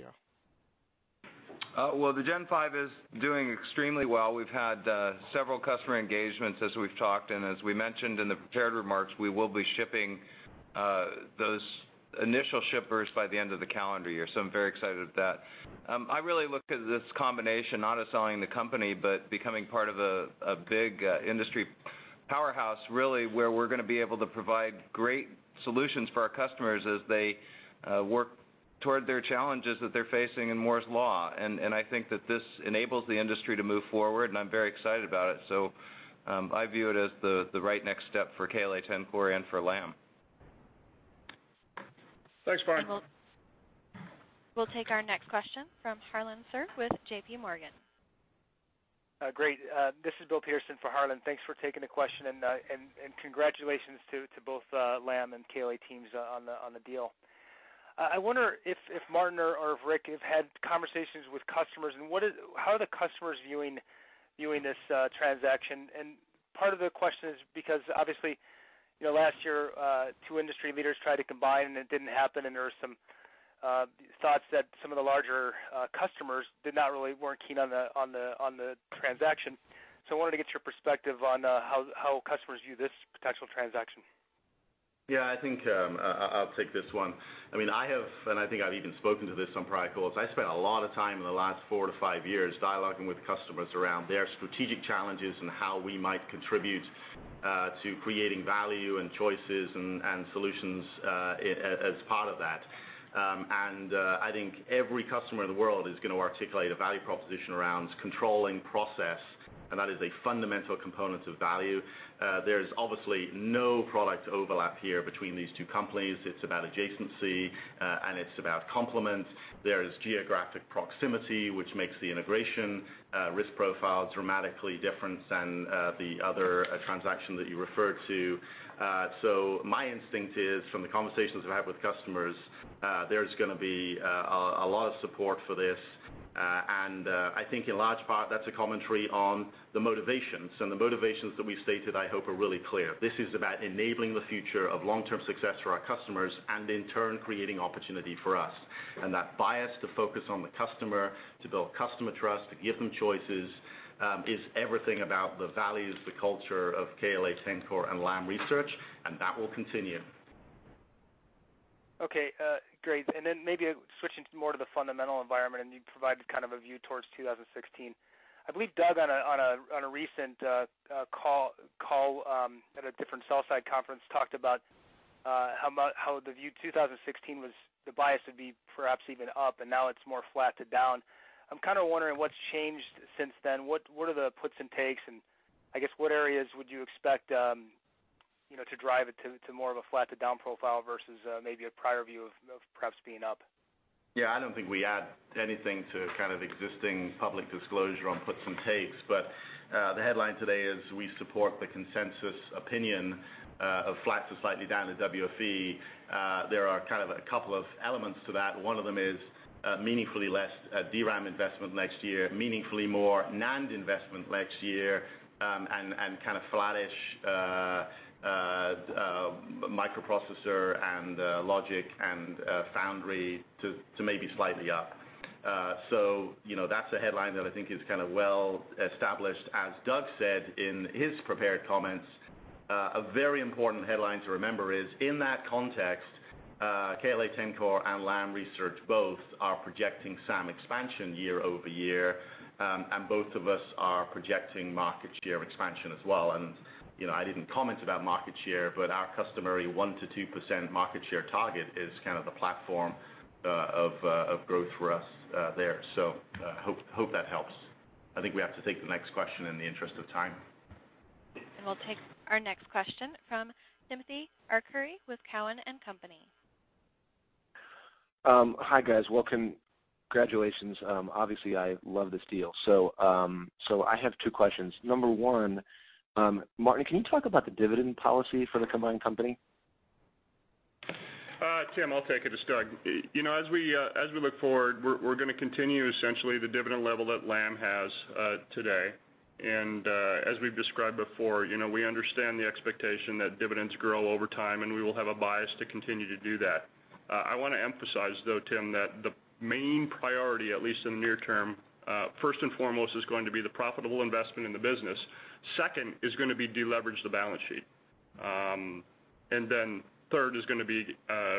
year? Well, the Gen 5 is doing extremely well. We've had several customer engagements, as we've talked, and as we mentioned in the prepared remarks, we will be shipping those initial shippers by the end of the calendar year. I'm very excited at that. I really look at this combination not as selling the company, but becoming part of a big industry powerhouse, really, where we're going to be able to provide great solutions for our customers as they work toward their challenges that they're facing in Moore's Law. I think that this enables the industry to move forward, and I'm very excited about it. I view it as the right next step for KLA-Tencor and for Lam. Thanks, Farhan. We'll take our next question from Harlan Sur with JPMorgan. Great. This is Bill Pearson for Harlan. Thanks for taking the question, congratulations to both Lam and KLA teams on the deal. I wonder if Martin or Rick have had conversations with customers, and how are the customers viewing this transaction? Part of the question is because obviously, last year, two industry leaders tried to combine and it didn't happen, and there were some thoughts that some of the larger customers did not really, weren't keen on the transaction. I wanted to get your perspective on how customers view this potential transaction. I think I'll take this one. I have, and I think I've even spoken to this on prior calls. I spent a lot of time in the last four to five years dialoguing with customers around their strategic challenges and how we might contribute to creating value and choices and solutions as part of that. I think every customer in the world is going to articulate a value proposition around controlling process, and that is a fundamental component of value. There is obviously no product overlap here between these two companies. It's about adjacency, and it's about complement. There is geographic proximity, which makes the integration risk profile dramatically different than the other transaction that you referred to. My instinct is, from the conversations I've had with customers, there's going to be a lot of support for this, and I think in large part, that's a commentary on the motivations. The motivations that we stated, I hope, are really clear. This is about enabling the future of long-term success for our customers and in turn, creating opportunity for us. That bias to focus on the customer, to build customer trust, to give them choices, is everything about the values, the culture of KLA-Tencor and Lam Research, and that will continue. Okay, great. Then maybe switching more to the fundamental environment, and you provided kind of a view towards 2016. I believe Doug on a recent call at a different sell-side conference, talked about how the view of 2016 was the bias would be perhaps even up, and now it's more flat to down. I'm kind of wondering what's changed since then. What are the puts and takes, and I guess what areas would you expect to drive it to more of a flat to down profile versus maybe a prior view of perhaps being up? Yeah, I don't think we add anything to kind of existing public disclosure on puts and takes. The headline today is we support the consensus opinion of flat to slightly down the WFE. A couple of elements to that. One of them is meaningfully less DRAM investment next year, meaningfully more NAND investment next year, and kind of flattish microprocessor and logic and foundry to maybe slightly up. That's a headline that I think is kind of well established. As Doug said in his prepared comments, a very important headline to remember is, in that context, KLA-Tencor and Lam Research both are projecting SAM expansion year-over-year, and both of us are projecting market share expansion as well. I didn't comment about market share, but our customary 1% to 2% market share target is kind of the platform of growth for us there. Hope that helps. I think we have to take the next question in the interest of time. We'll take our next question from Timothy Arcuri with Cowen and Company. Hi, guys. Welcome. Congratulations. Obviously, I love this deal. I have two questions. Number one, Martin, can you talk about the dividend policy for the combined company? Tim, I'll take it. It's Doug. As we look forward, we're going to continue essentially the dividend level that Lam has today. As we've described before, we understand the expectation that dividends grow over time, and we will have a bias to continue to do that. I want to emphasize though, Tim, that the main priority, at least in the near term, first and foremost, is going to be the profitable investment in the business. Second is going to be de-leverage the balance sheet. Third is going to be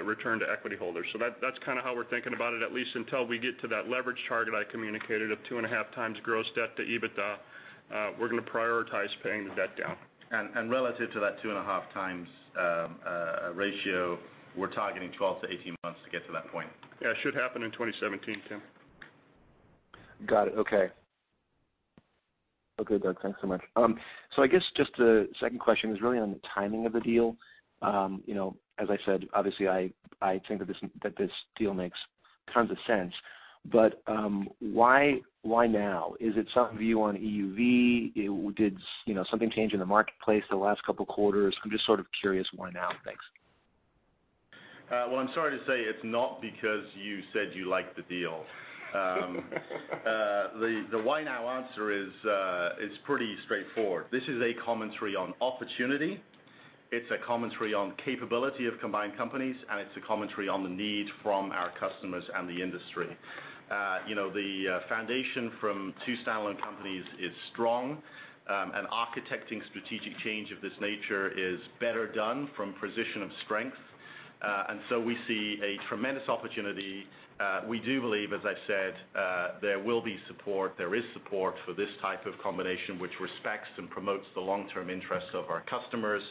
return to equity holders. That's kind of how we're thinking about it, at least until we get to that leverage target I communicated of 2.5 times gross debt to EBITDA. We're going to prioritize paying the debt down. Relative to that two and a half times ratio, we're targeting 12-18 months to get to that point. Yeah, it should happen in 2017, Tim. Got it. Okay. Okay, Doug, thanks so much. I guess just the second question is really on the timing of the deal. As I said, obviously, I think that this deal makes tons of sense, but why now? Is it something to view on EUV? Did something change in the marketplace the last couple of quarters? I'm just sort of curious why now. Thanks. Well, I'm sorry to say it's not because you said you liked the deal. The why now answer is pretty straightforward. This is a commentary on opportunity. It's a commentary on capability of combined companies, and it's a commentary on the need from our customers and the industry. The foundation from two standalone companies is strong, and architecting strategic change of this nature is better done from a position of strength. We see a tremendous opportunity. We do believe, as I've said, there will be support, there is support for this type of combination, which respects and promotes the long-term interests of our customers.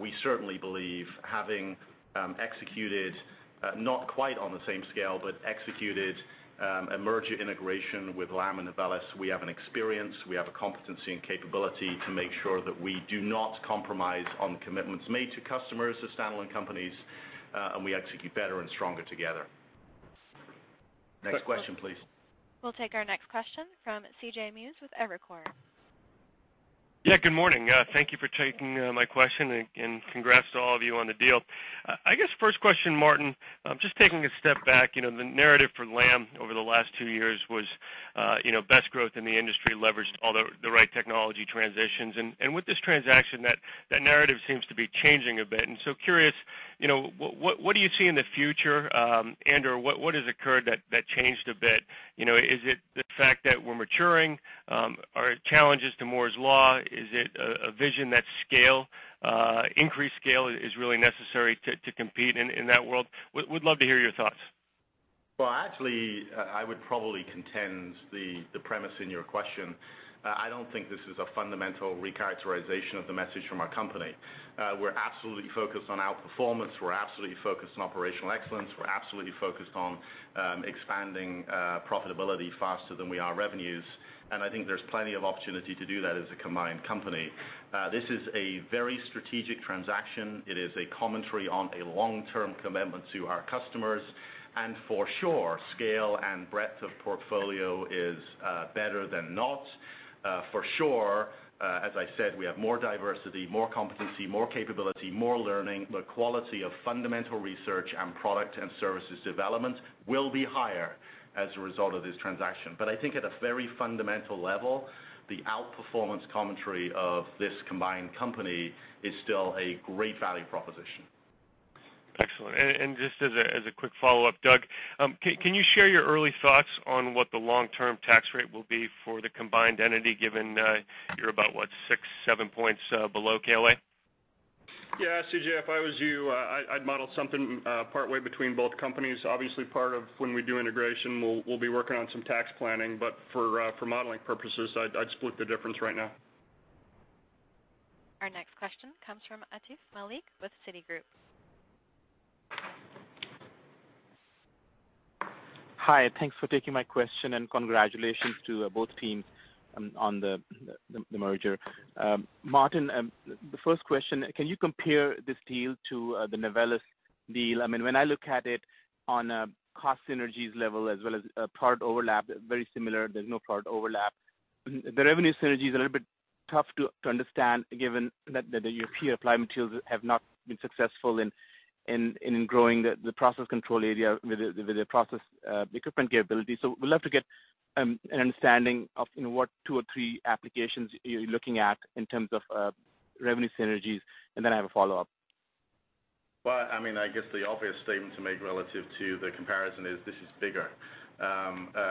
We certainly believe having executed, not quite on the same scale, but executed a merger integration with Lam and Novellus, we have an experience, we have a competency and capability to make sure that we do not compromise on commitments made to customers as standalone companies, and we execute better and stronger together. Next question, please. We'll take our next question from C.J. Muse with Evercore. Yeah, good morning. Thank you for taking my question, and congrats to all of you on the deal. I guess first question, Martin, just taking a step back, the narrative for Lam over the last two years was best growth in the industry, leveraged all the right technology transitions. With this transaction, that narrative seems to be changing a bit. Curious, what do you see in the future? And/or what has occurred that changed a bit? Is it the fact that we're maturing? Are challenges to Moore's Law, is it a vision that increased scale is really necessary to compete in that world? Would love to hear your thoughts. Well, actually, I would probably contend the premise in your question. I don't think this is a fundamental recharacterization of the message from our company. We're absolutely focused on outperformance. We're absolutely focused on operational excellence. We're absolutely focused on expanding profitability faster than we are revenues, I think there's plenty of opportunity to do that as a combined company. This is a very strategic transaction. It is a commentary on a long-term commitment to our customers, for sure, scale and breadth of portfolio is better than not. For sure, as I said, we have more diversity, more competency, more capability, more learning. The quality of fundamental research and product and services development will be higher as a result of this transaction. I think at a very fundamental level, the outperformance commentary of this combined company is still a great value proposition. Excellent. Just as a quick follow-up, Doug, can you share your early thoughts on what the long-term tax rate will be for the combined entity, given you're about, what, six, seven points below KLA? Yeah, CJ, if I was you, I'd model something partway between both companies. Obviously, part of when we do integration, we'll be working on some tax planning, for modeling purposes, I'd split the difference right now. Our next question comes from Atif Malik with Citigroup. Hi, thanks for taking my question. Congratulations to both teams on the merger. Martin, the first question, can you compare this deal to the Novellus deal? When I look at it on a cost synergies level as well as part overlap, very similar, there's no part overlap. The revenue synergy is a little bit tough to understand given that the European applied materials have not been successful in growing the process control area with their process equipment capability. We'd love to get an understanding of what two or three applications you're looking at in terms of revenue synergies, then I have a follow-up. I guess the obvious statement to make relative to the comparison is this is bigger,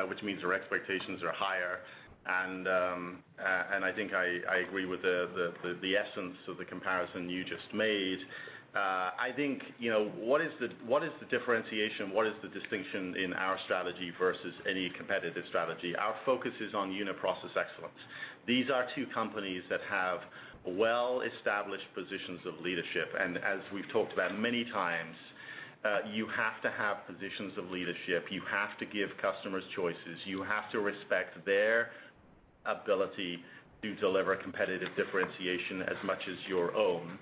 which means our expectations are higher. I think I agree with the essence of the comparison you just made. I think what is the differentiation? What is the distinction in our strategy versus any competitive strategy? Our focus is on unit process excellence. These are two companies that have well-established positions of leadership. As we've talked about many times, you have to have positions of leadership. You have to give customers choices. You have to respect their ability to deliver competitive differentiation as much as your own.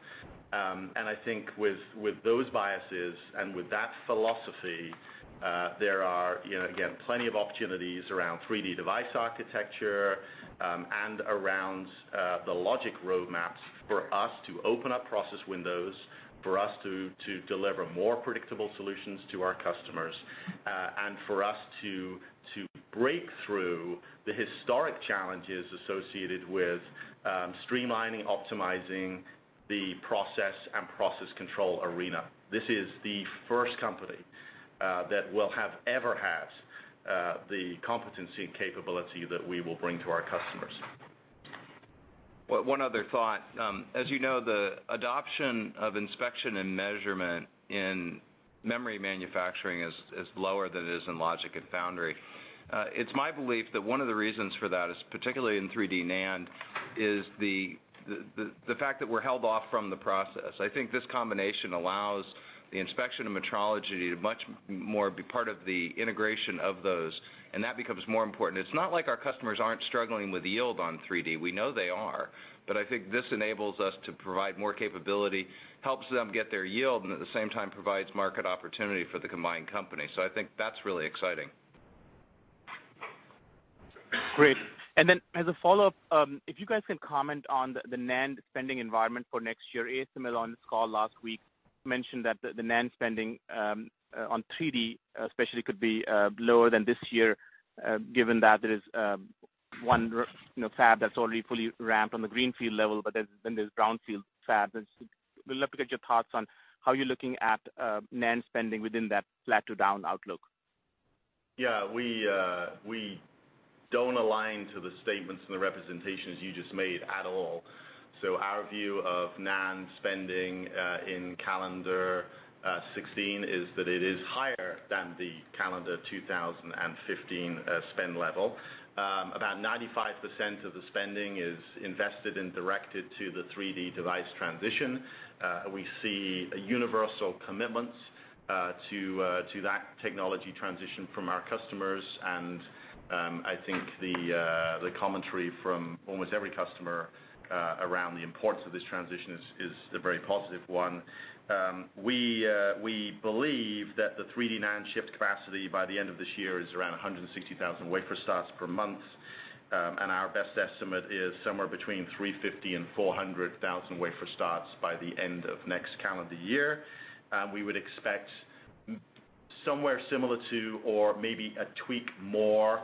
I think with those biases and with that philosophy, there are plenty of opportunities around 3D device architecture, and around the logic roadmaps for us to open up process windows, for us to deliver more predictable solutions to our customers, and for us to break through the historic challenges associated with streamlining, optimizing the process and process control arena. This is the first company that will have ever had the competency and capability that we will bring to our customers. One other thought. As you know, the adoption of inspection and measurement in memory manufacturing is lower than it is in logic and foundry. It's my belief that one of the reasons for that is particularly in 3D NAND, is the fact that we're held off from the process. I think this combination allows the inspection and metrology to much more be part of the integration of those, and that becomes more important. It's not like our customers aren't struggling with yield on 3D. We know they are. I think this enables us to provide more capability, helps them get their yield, and at the same time, provides market opportunity for the combined company. I think that's really exciting. Great. Then as a follow-up, if you guys can comment on the NAND spending environment for next year. ASML on this call last week mentioned that the NAND spending on 3D especially could be lower than this year, given that there is one fab that's already fully ramped on the greenfield level, then there's brownfield fabs. We'd love to get your thoughts on how you're looking at NAND spending within that flat to down outlook. We don't align to the statements and the representations you just made at all. Our view of NAND spending in calendar 2016 is that it is higher than the calendar 2015 spend level. About 95% of the spending is invested and directed to the 3D device transition. We see a universal commitment to that technology transition from our customers, and I think the commentary from almost every customer around the importance of this transition is a very positive one. We believe that the 3D NAND shift capacity by the end of this year is around 160,000 wafer starts per month, and our best estimate is somewhere between 350,000 and 400,000 wafer starts by the end of next calendar year. We would expect somewhere similar to or maybe a tweak more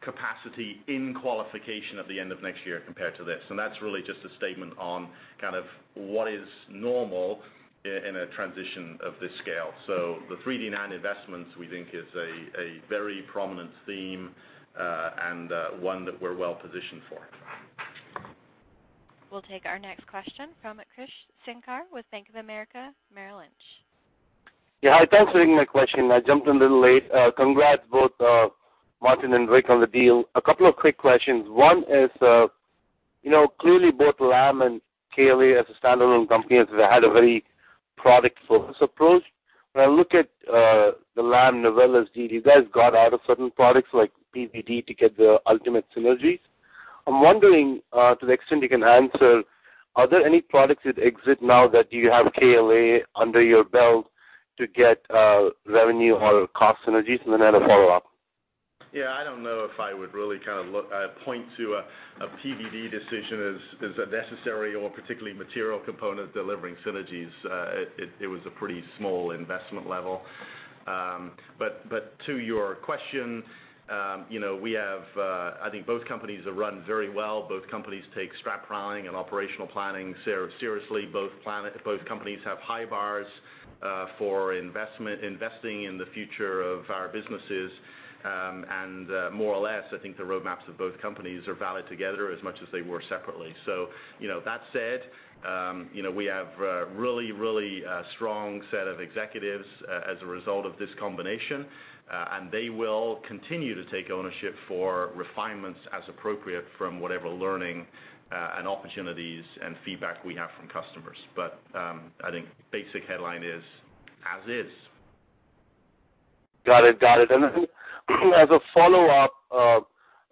capacity in qualification at the end of next year compared to this. That's really just a statement on what is normal in a transition of this scale. The 3D NAND investments we think is a very prominent theme, and one that we're well positioned for. We'll take our next question from Krish Sankar with Bank of America Merrill Lynch. Hi, thanks for taking my question. I jumped in a little late. Congrats both Martin and Rick on the deal. A couple of quick questions. One is, clearly both Lam and KLA as a standalone company had a very product-focused approach. When I look at the Lam Novellus deal, you guys got out of certain products like PVD to get the ultimate synergies. I'm wondering to the extent you can answer, are there any products that exit now that you have KLA under your belt to get revenue or cost synergies? I have a follow-up. Yeah, I don't know if I would really point to a PVD decision as a necessary or particularly material component delivering synergies. It was a pretty small investment level. To your question, I think both companies are run very well. Both companies take strategic planning and operational planning seriously. Both companies have high bars for investing in the future of our businesses. More or less, I think the roadmaps of both companies are valid together as much as they were separately. That said, we have a really strong set of executives as a result of this combination, and they will continue to take ownership for refinements as appropriate from whatever learning and opportunities and feedback we have from customers. I think basic headline is as is. Got it. I think as a follow-up,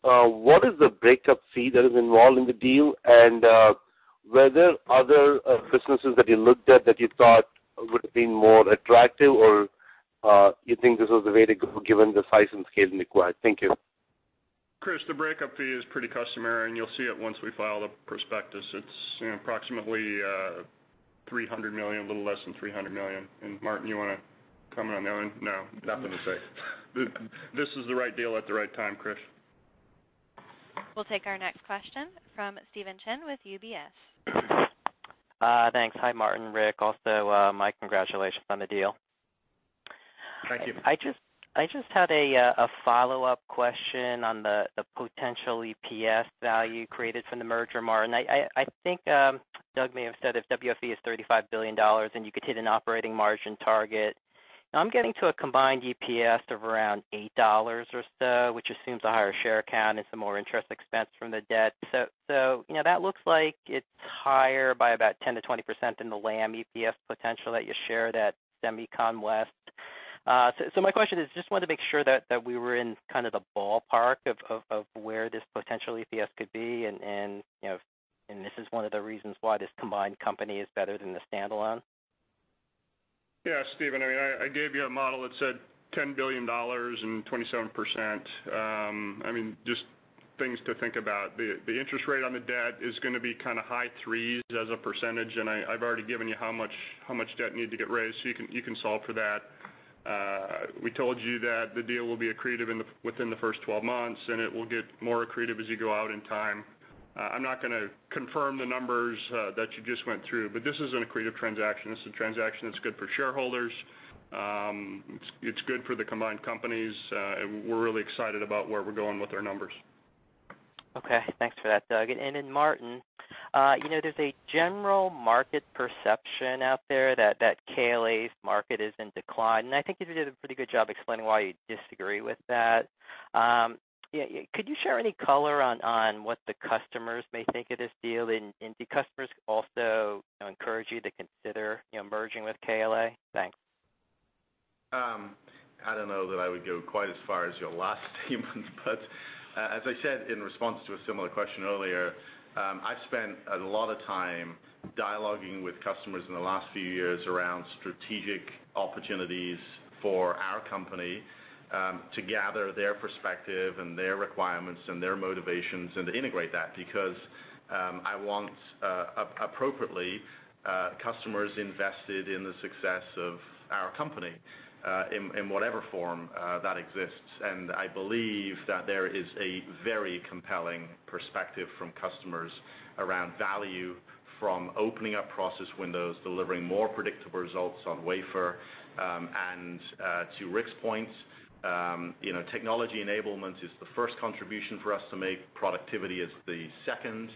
what is the breakup fee that is involved in the deal? Were there other businesses that you looked at that you thought would have been more attractive or you think this is the way to go given the size and scale required? Thank you. Krish, the breakup fee is pretty customary, and you'll see it once we file the prospectus. It's approximately $300 million, a little less than $300 million. Martin, you want to comment on that one? No. Nothing to say. This is the right deal at the right time, Krish. We'll take our next question from Stephen Chen with UBS. Thanks. Hi, Martin, Rick. Also, my congratulations on the deal. Thank you. I just had a follow-up question on the potential EPS value created from the merger, Martin. I think Doug may have said if WFE is $35 billion and you could hit an operating margin target. I'm getting to a combined EPS of around $8 or so, which assumes a higher share count and some more interest expense from the debt. That looks like it's higher by about 10%-20% in the Lam EPS potential that you share that SEMICON West. My question is, just wanted to make sure that we were in kind of the ballpark of where this potential EPS could be, and this is one of the reasons why this combined company is better than the standalone. Yeah, Stephen, I gave you a model that said $10 billion and 27%. Just things to think about. The interest rate on the debt is going to be kind of high threes as a percentage, and I've already given you how much debt need to get raised, so you can solve for that. We told you that the deal will be accretive within the first 12 months, and it will get more accretive as you go out in time. I'm not going to confirm the numbers that you just went through, but this is an accretive transaction. This is a transaction that's good for shareholders, it's good for the combined companies. We're really excited about where we're going with our numbers. Thanks for that, Doug. Martin, there's a general market perception out there that KLA's market is in decline, and I think you did a pretty good job explaining why you disagree with that. Could you share any color on what the customers may think of this deal and do customers also encourage you to consider merging with KLA? Thanks. I don't know that I would go quite as far as your last statement, but as I said in response to a similar question earlier, I've spent a lot of time dialoguing with customers in the last few years around strategic opportunities for our company, to gather their perspective and their requirements and their motivations and to integrate that because, I want, appropriately, customers invested in the success of our company, in whatever form that exists. I believe that there is a very compelling perspective from customers around value from opening up process windows, delivering more predictable results on wafer, and to Rick's point, technology enablement is the first contribution for us to make, productivity is the second.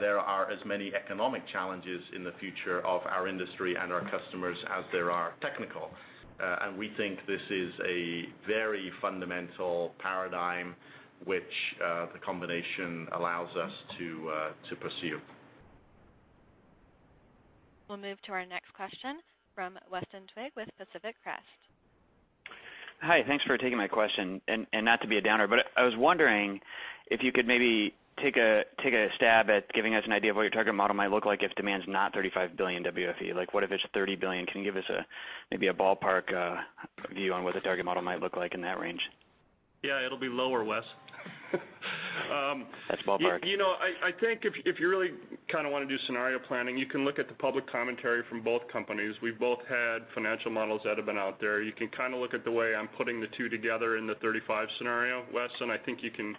There are as many economic challenges in the future of our industry and our customers as there are technical. We think this is a very fundamental paradigm which the combination allows us to pursue. We'll move to our next question from Weston Twigg with Pacific Crest. Hi, thanks for taking my question. Not to be a downer, but I was wondering if you could maybe take a stab at giving us an idea of what your target model might look like if demand's not $35 billion WFE. What if it's $30 billion? Can you give us maybe a ballpark view on what the target model might look like in that range? Yeah, it'll be lower, Wes. That's ballpark. I think if you really kind of want to do scenario planning, you can look at the public commentary from both companies. We've both had financial models that have been out there. You can kind of look at the way I'm putting the two together in the 35 scenario, Wes. I think you can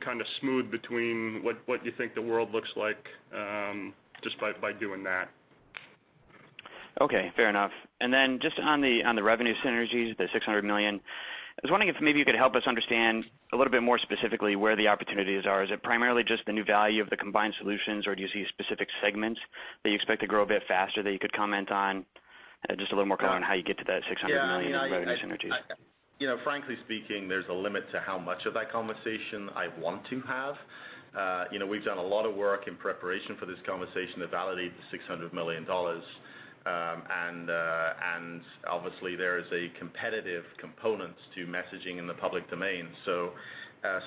kind of smooth between what you think the world looks like, just by doing that. Okay, fair enough. Just on the revenue synergies, the $600 million, I was wondering if maybe you could help us understand a little bit more specifically where the opportunities are. Is it primarily just the new value of the combined solutions, or do you see specific segments that you expect to grow a bit faster that you could comment on? Just a little more color on how you get to that $600 million in revenue synergies. Yeah. Frankly speaking, there's a limit to how much of that conversation I want to have. We've done a lot of work in preparation for this conversation to validate the $600 million. Obviously there is a competitive component to messaging in the public domain.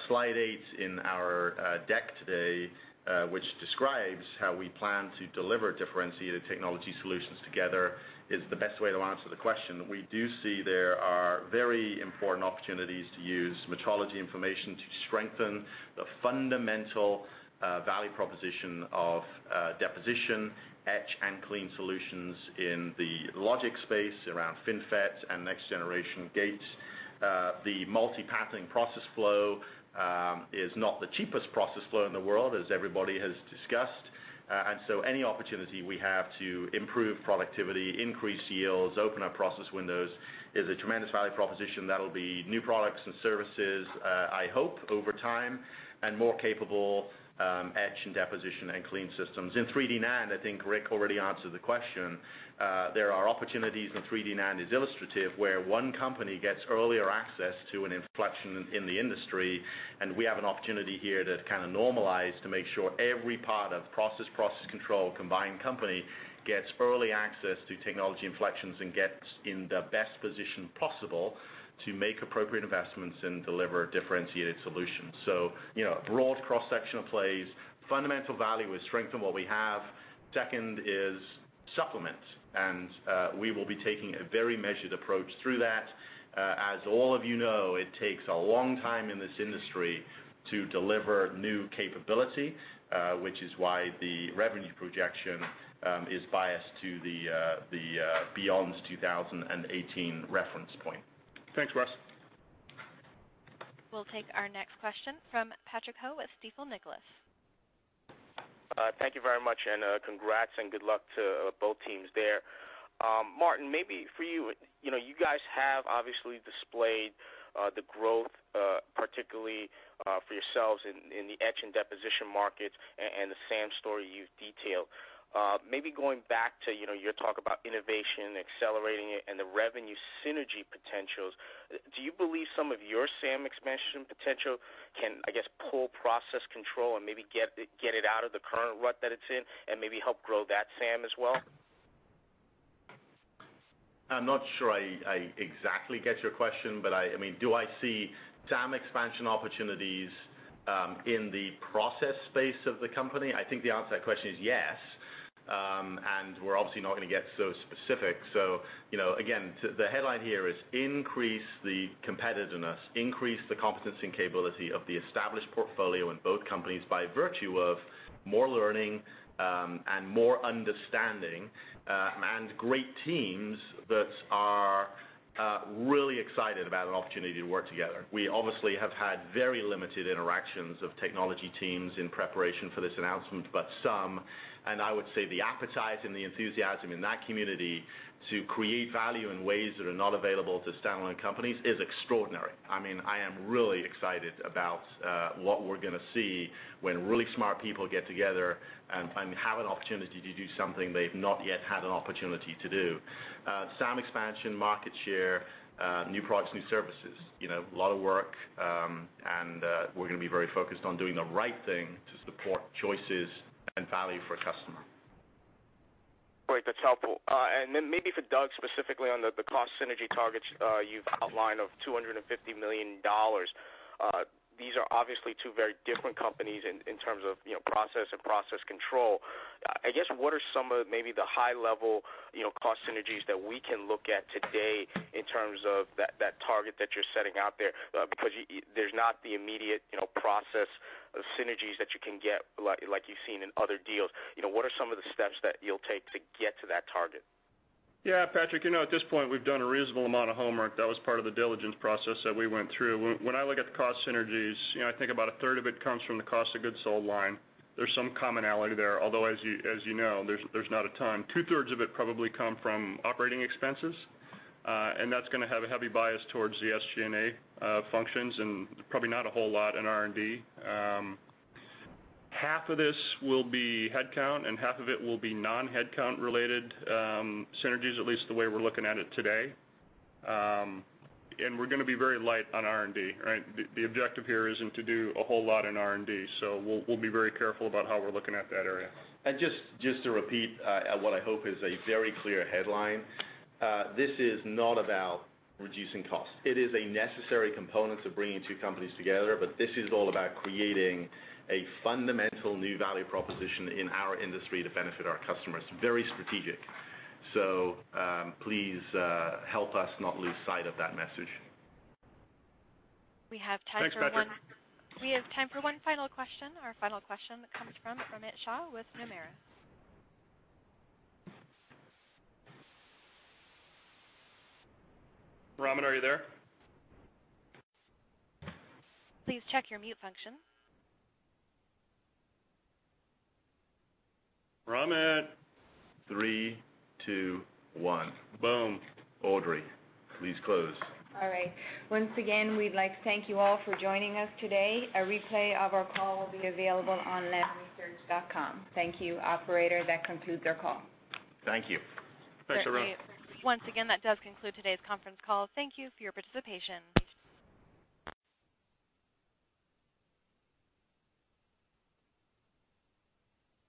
Slide eight in our deck today, which describes how we plan to deliver differentiated technology solutions together, is the best way to answer the question. We do see there are very important opportunities to use metrology information to strengthen the fundamental value proposition of deposition, etch, and clean solutions in the logic space around FinFET and next generation gates. The multi-pathing process flow is not the cheapest process flow in the world, as everybody has discussed. Any opportunity we have to improve productivity, increase yields, open up process windows, is a tremendous value proposition that'll be new products and services, I hope, over time, and more capable etch and deposition and clean systems. In 3D NAND, I think Rick already answered the question. There are opportunities in 3D NAND as illustrative, where one company gets earlier access to an inflection in the industry, and we have an opportunity here to kind of normalize to make sure every part of process control, combined company gets early access to technology inflections and gets in the best position possible to make appropriate investments and deliver differentiated solutions. A broad cross-section of plays. Fundamental value, we strengthen what we have. Second is Supplement. We will be taking a very measured approach through that. As all of you know, it takes a long time in this industry to deliver new capability, which is why the revenue projection is biased to the beyond 2018 reference point. Thanks, Wes. We'll take our next question from Patrick Ho with Stifel Nicolaus. Thank you very much, and congrats and good luck to both teams there. Martin, maybe for you. You guys have obviously displayed the growth, particularly for yourselves in the etch and deposition markets, and the SAM story you've detailed. Maybe going back to your talk about innovation, accelerating it, and the revenue synergy potentials, do you believe some of your SAM expansion potential can, I guess, pull process control and maybe get it out of the current rut that it's in and maybe help grow that SAM as well? I'm not sure I exactly get your question. Do I see SAM expansion opportunities in the process space of the company? I think the answer to that question is yes. We're obviously not going to get so specific. Again, the headline here is increase the competitiveness, increase the competency and capability of the established portfolio in both companies by virtue of more learning and more understanding, and great teams that are really excited about an opportunity to work together. We obviously have had very limited interactions of technology teams in preparation for this announcement. Some, and I would say the appetite and the enthusiasm in that community to create value in ways that are not available to standalone companies is extraordinary. I am really excited about what we're going to see when really smart people get together and have an opportunity to do something they've not yet had an opportunity to do. SAM expansion, market share, new products, new services. A lot of work. We're going to be very focused on doing the right thing to support choices and value for a customer. Great. That's helpful. Then maybe for Doug, specifically on the cost synergy targets you've outlined of $250 million. These are obviously two very different companies in terms of process and process control. I guess what are some of maybe the high-level cost synergies that we can look at today in terms of that target that you're setting out there? There's not the immediate process of synergies that you can get like you've seen in other deals. What are some of the steps that you'll take to get to that target? Patrick, at this point, we've done a reasonable amount of homework. That was part of the diligence process that we went through. When I look at the cost synergies, I think about a third of it comes from the cost of goods sold line. There's some commonality there, although, as you know, there's not a ton. Two-thirds of it probably come from operating expenses, and that's going to have a heavy bias towards the SG&A functions and probably not a whole lot in R&D. Half of this will be headcount, and half of it will be non-headcount related synergies, at least the way we're looking at it today. We're going to be very light on R&D. The objective here isn't to do a whole lot in R&D, so we'll be very careful about how we're looking at that area. Just to repeat what I hope is a very clear headline. This is not about reducing costs. It is a necessary component of bringing two companies together, but this is all about creating a fundamental new value proposition in our industry to benefit our customers. Very strategic. Please help us not lose sight of that message. Thanks, Patrick. We have time for one final question. Our final question comes from Amitabh Shah with Nomura. Amit, are you there? Please check your mute function. Amit. Three, two, one. Boom. Audrey, please close. All right. Once again, we'd like to thank you all for joining us today. A replay of our call will be available on lamresearch.com. Thank you, operator. That concludes our call. Thank you. Thanks, everyone. Once again, that does conclude today's conference call. Thank you for your participation.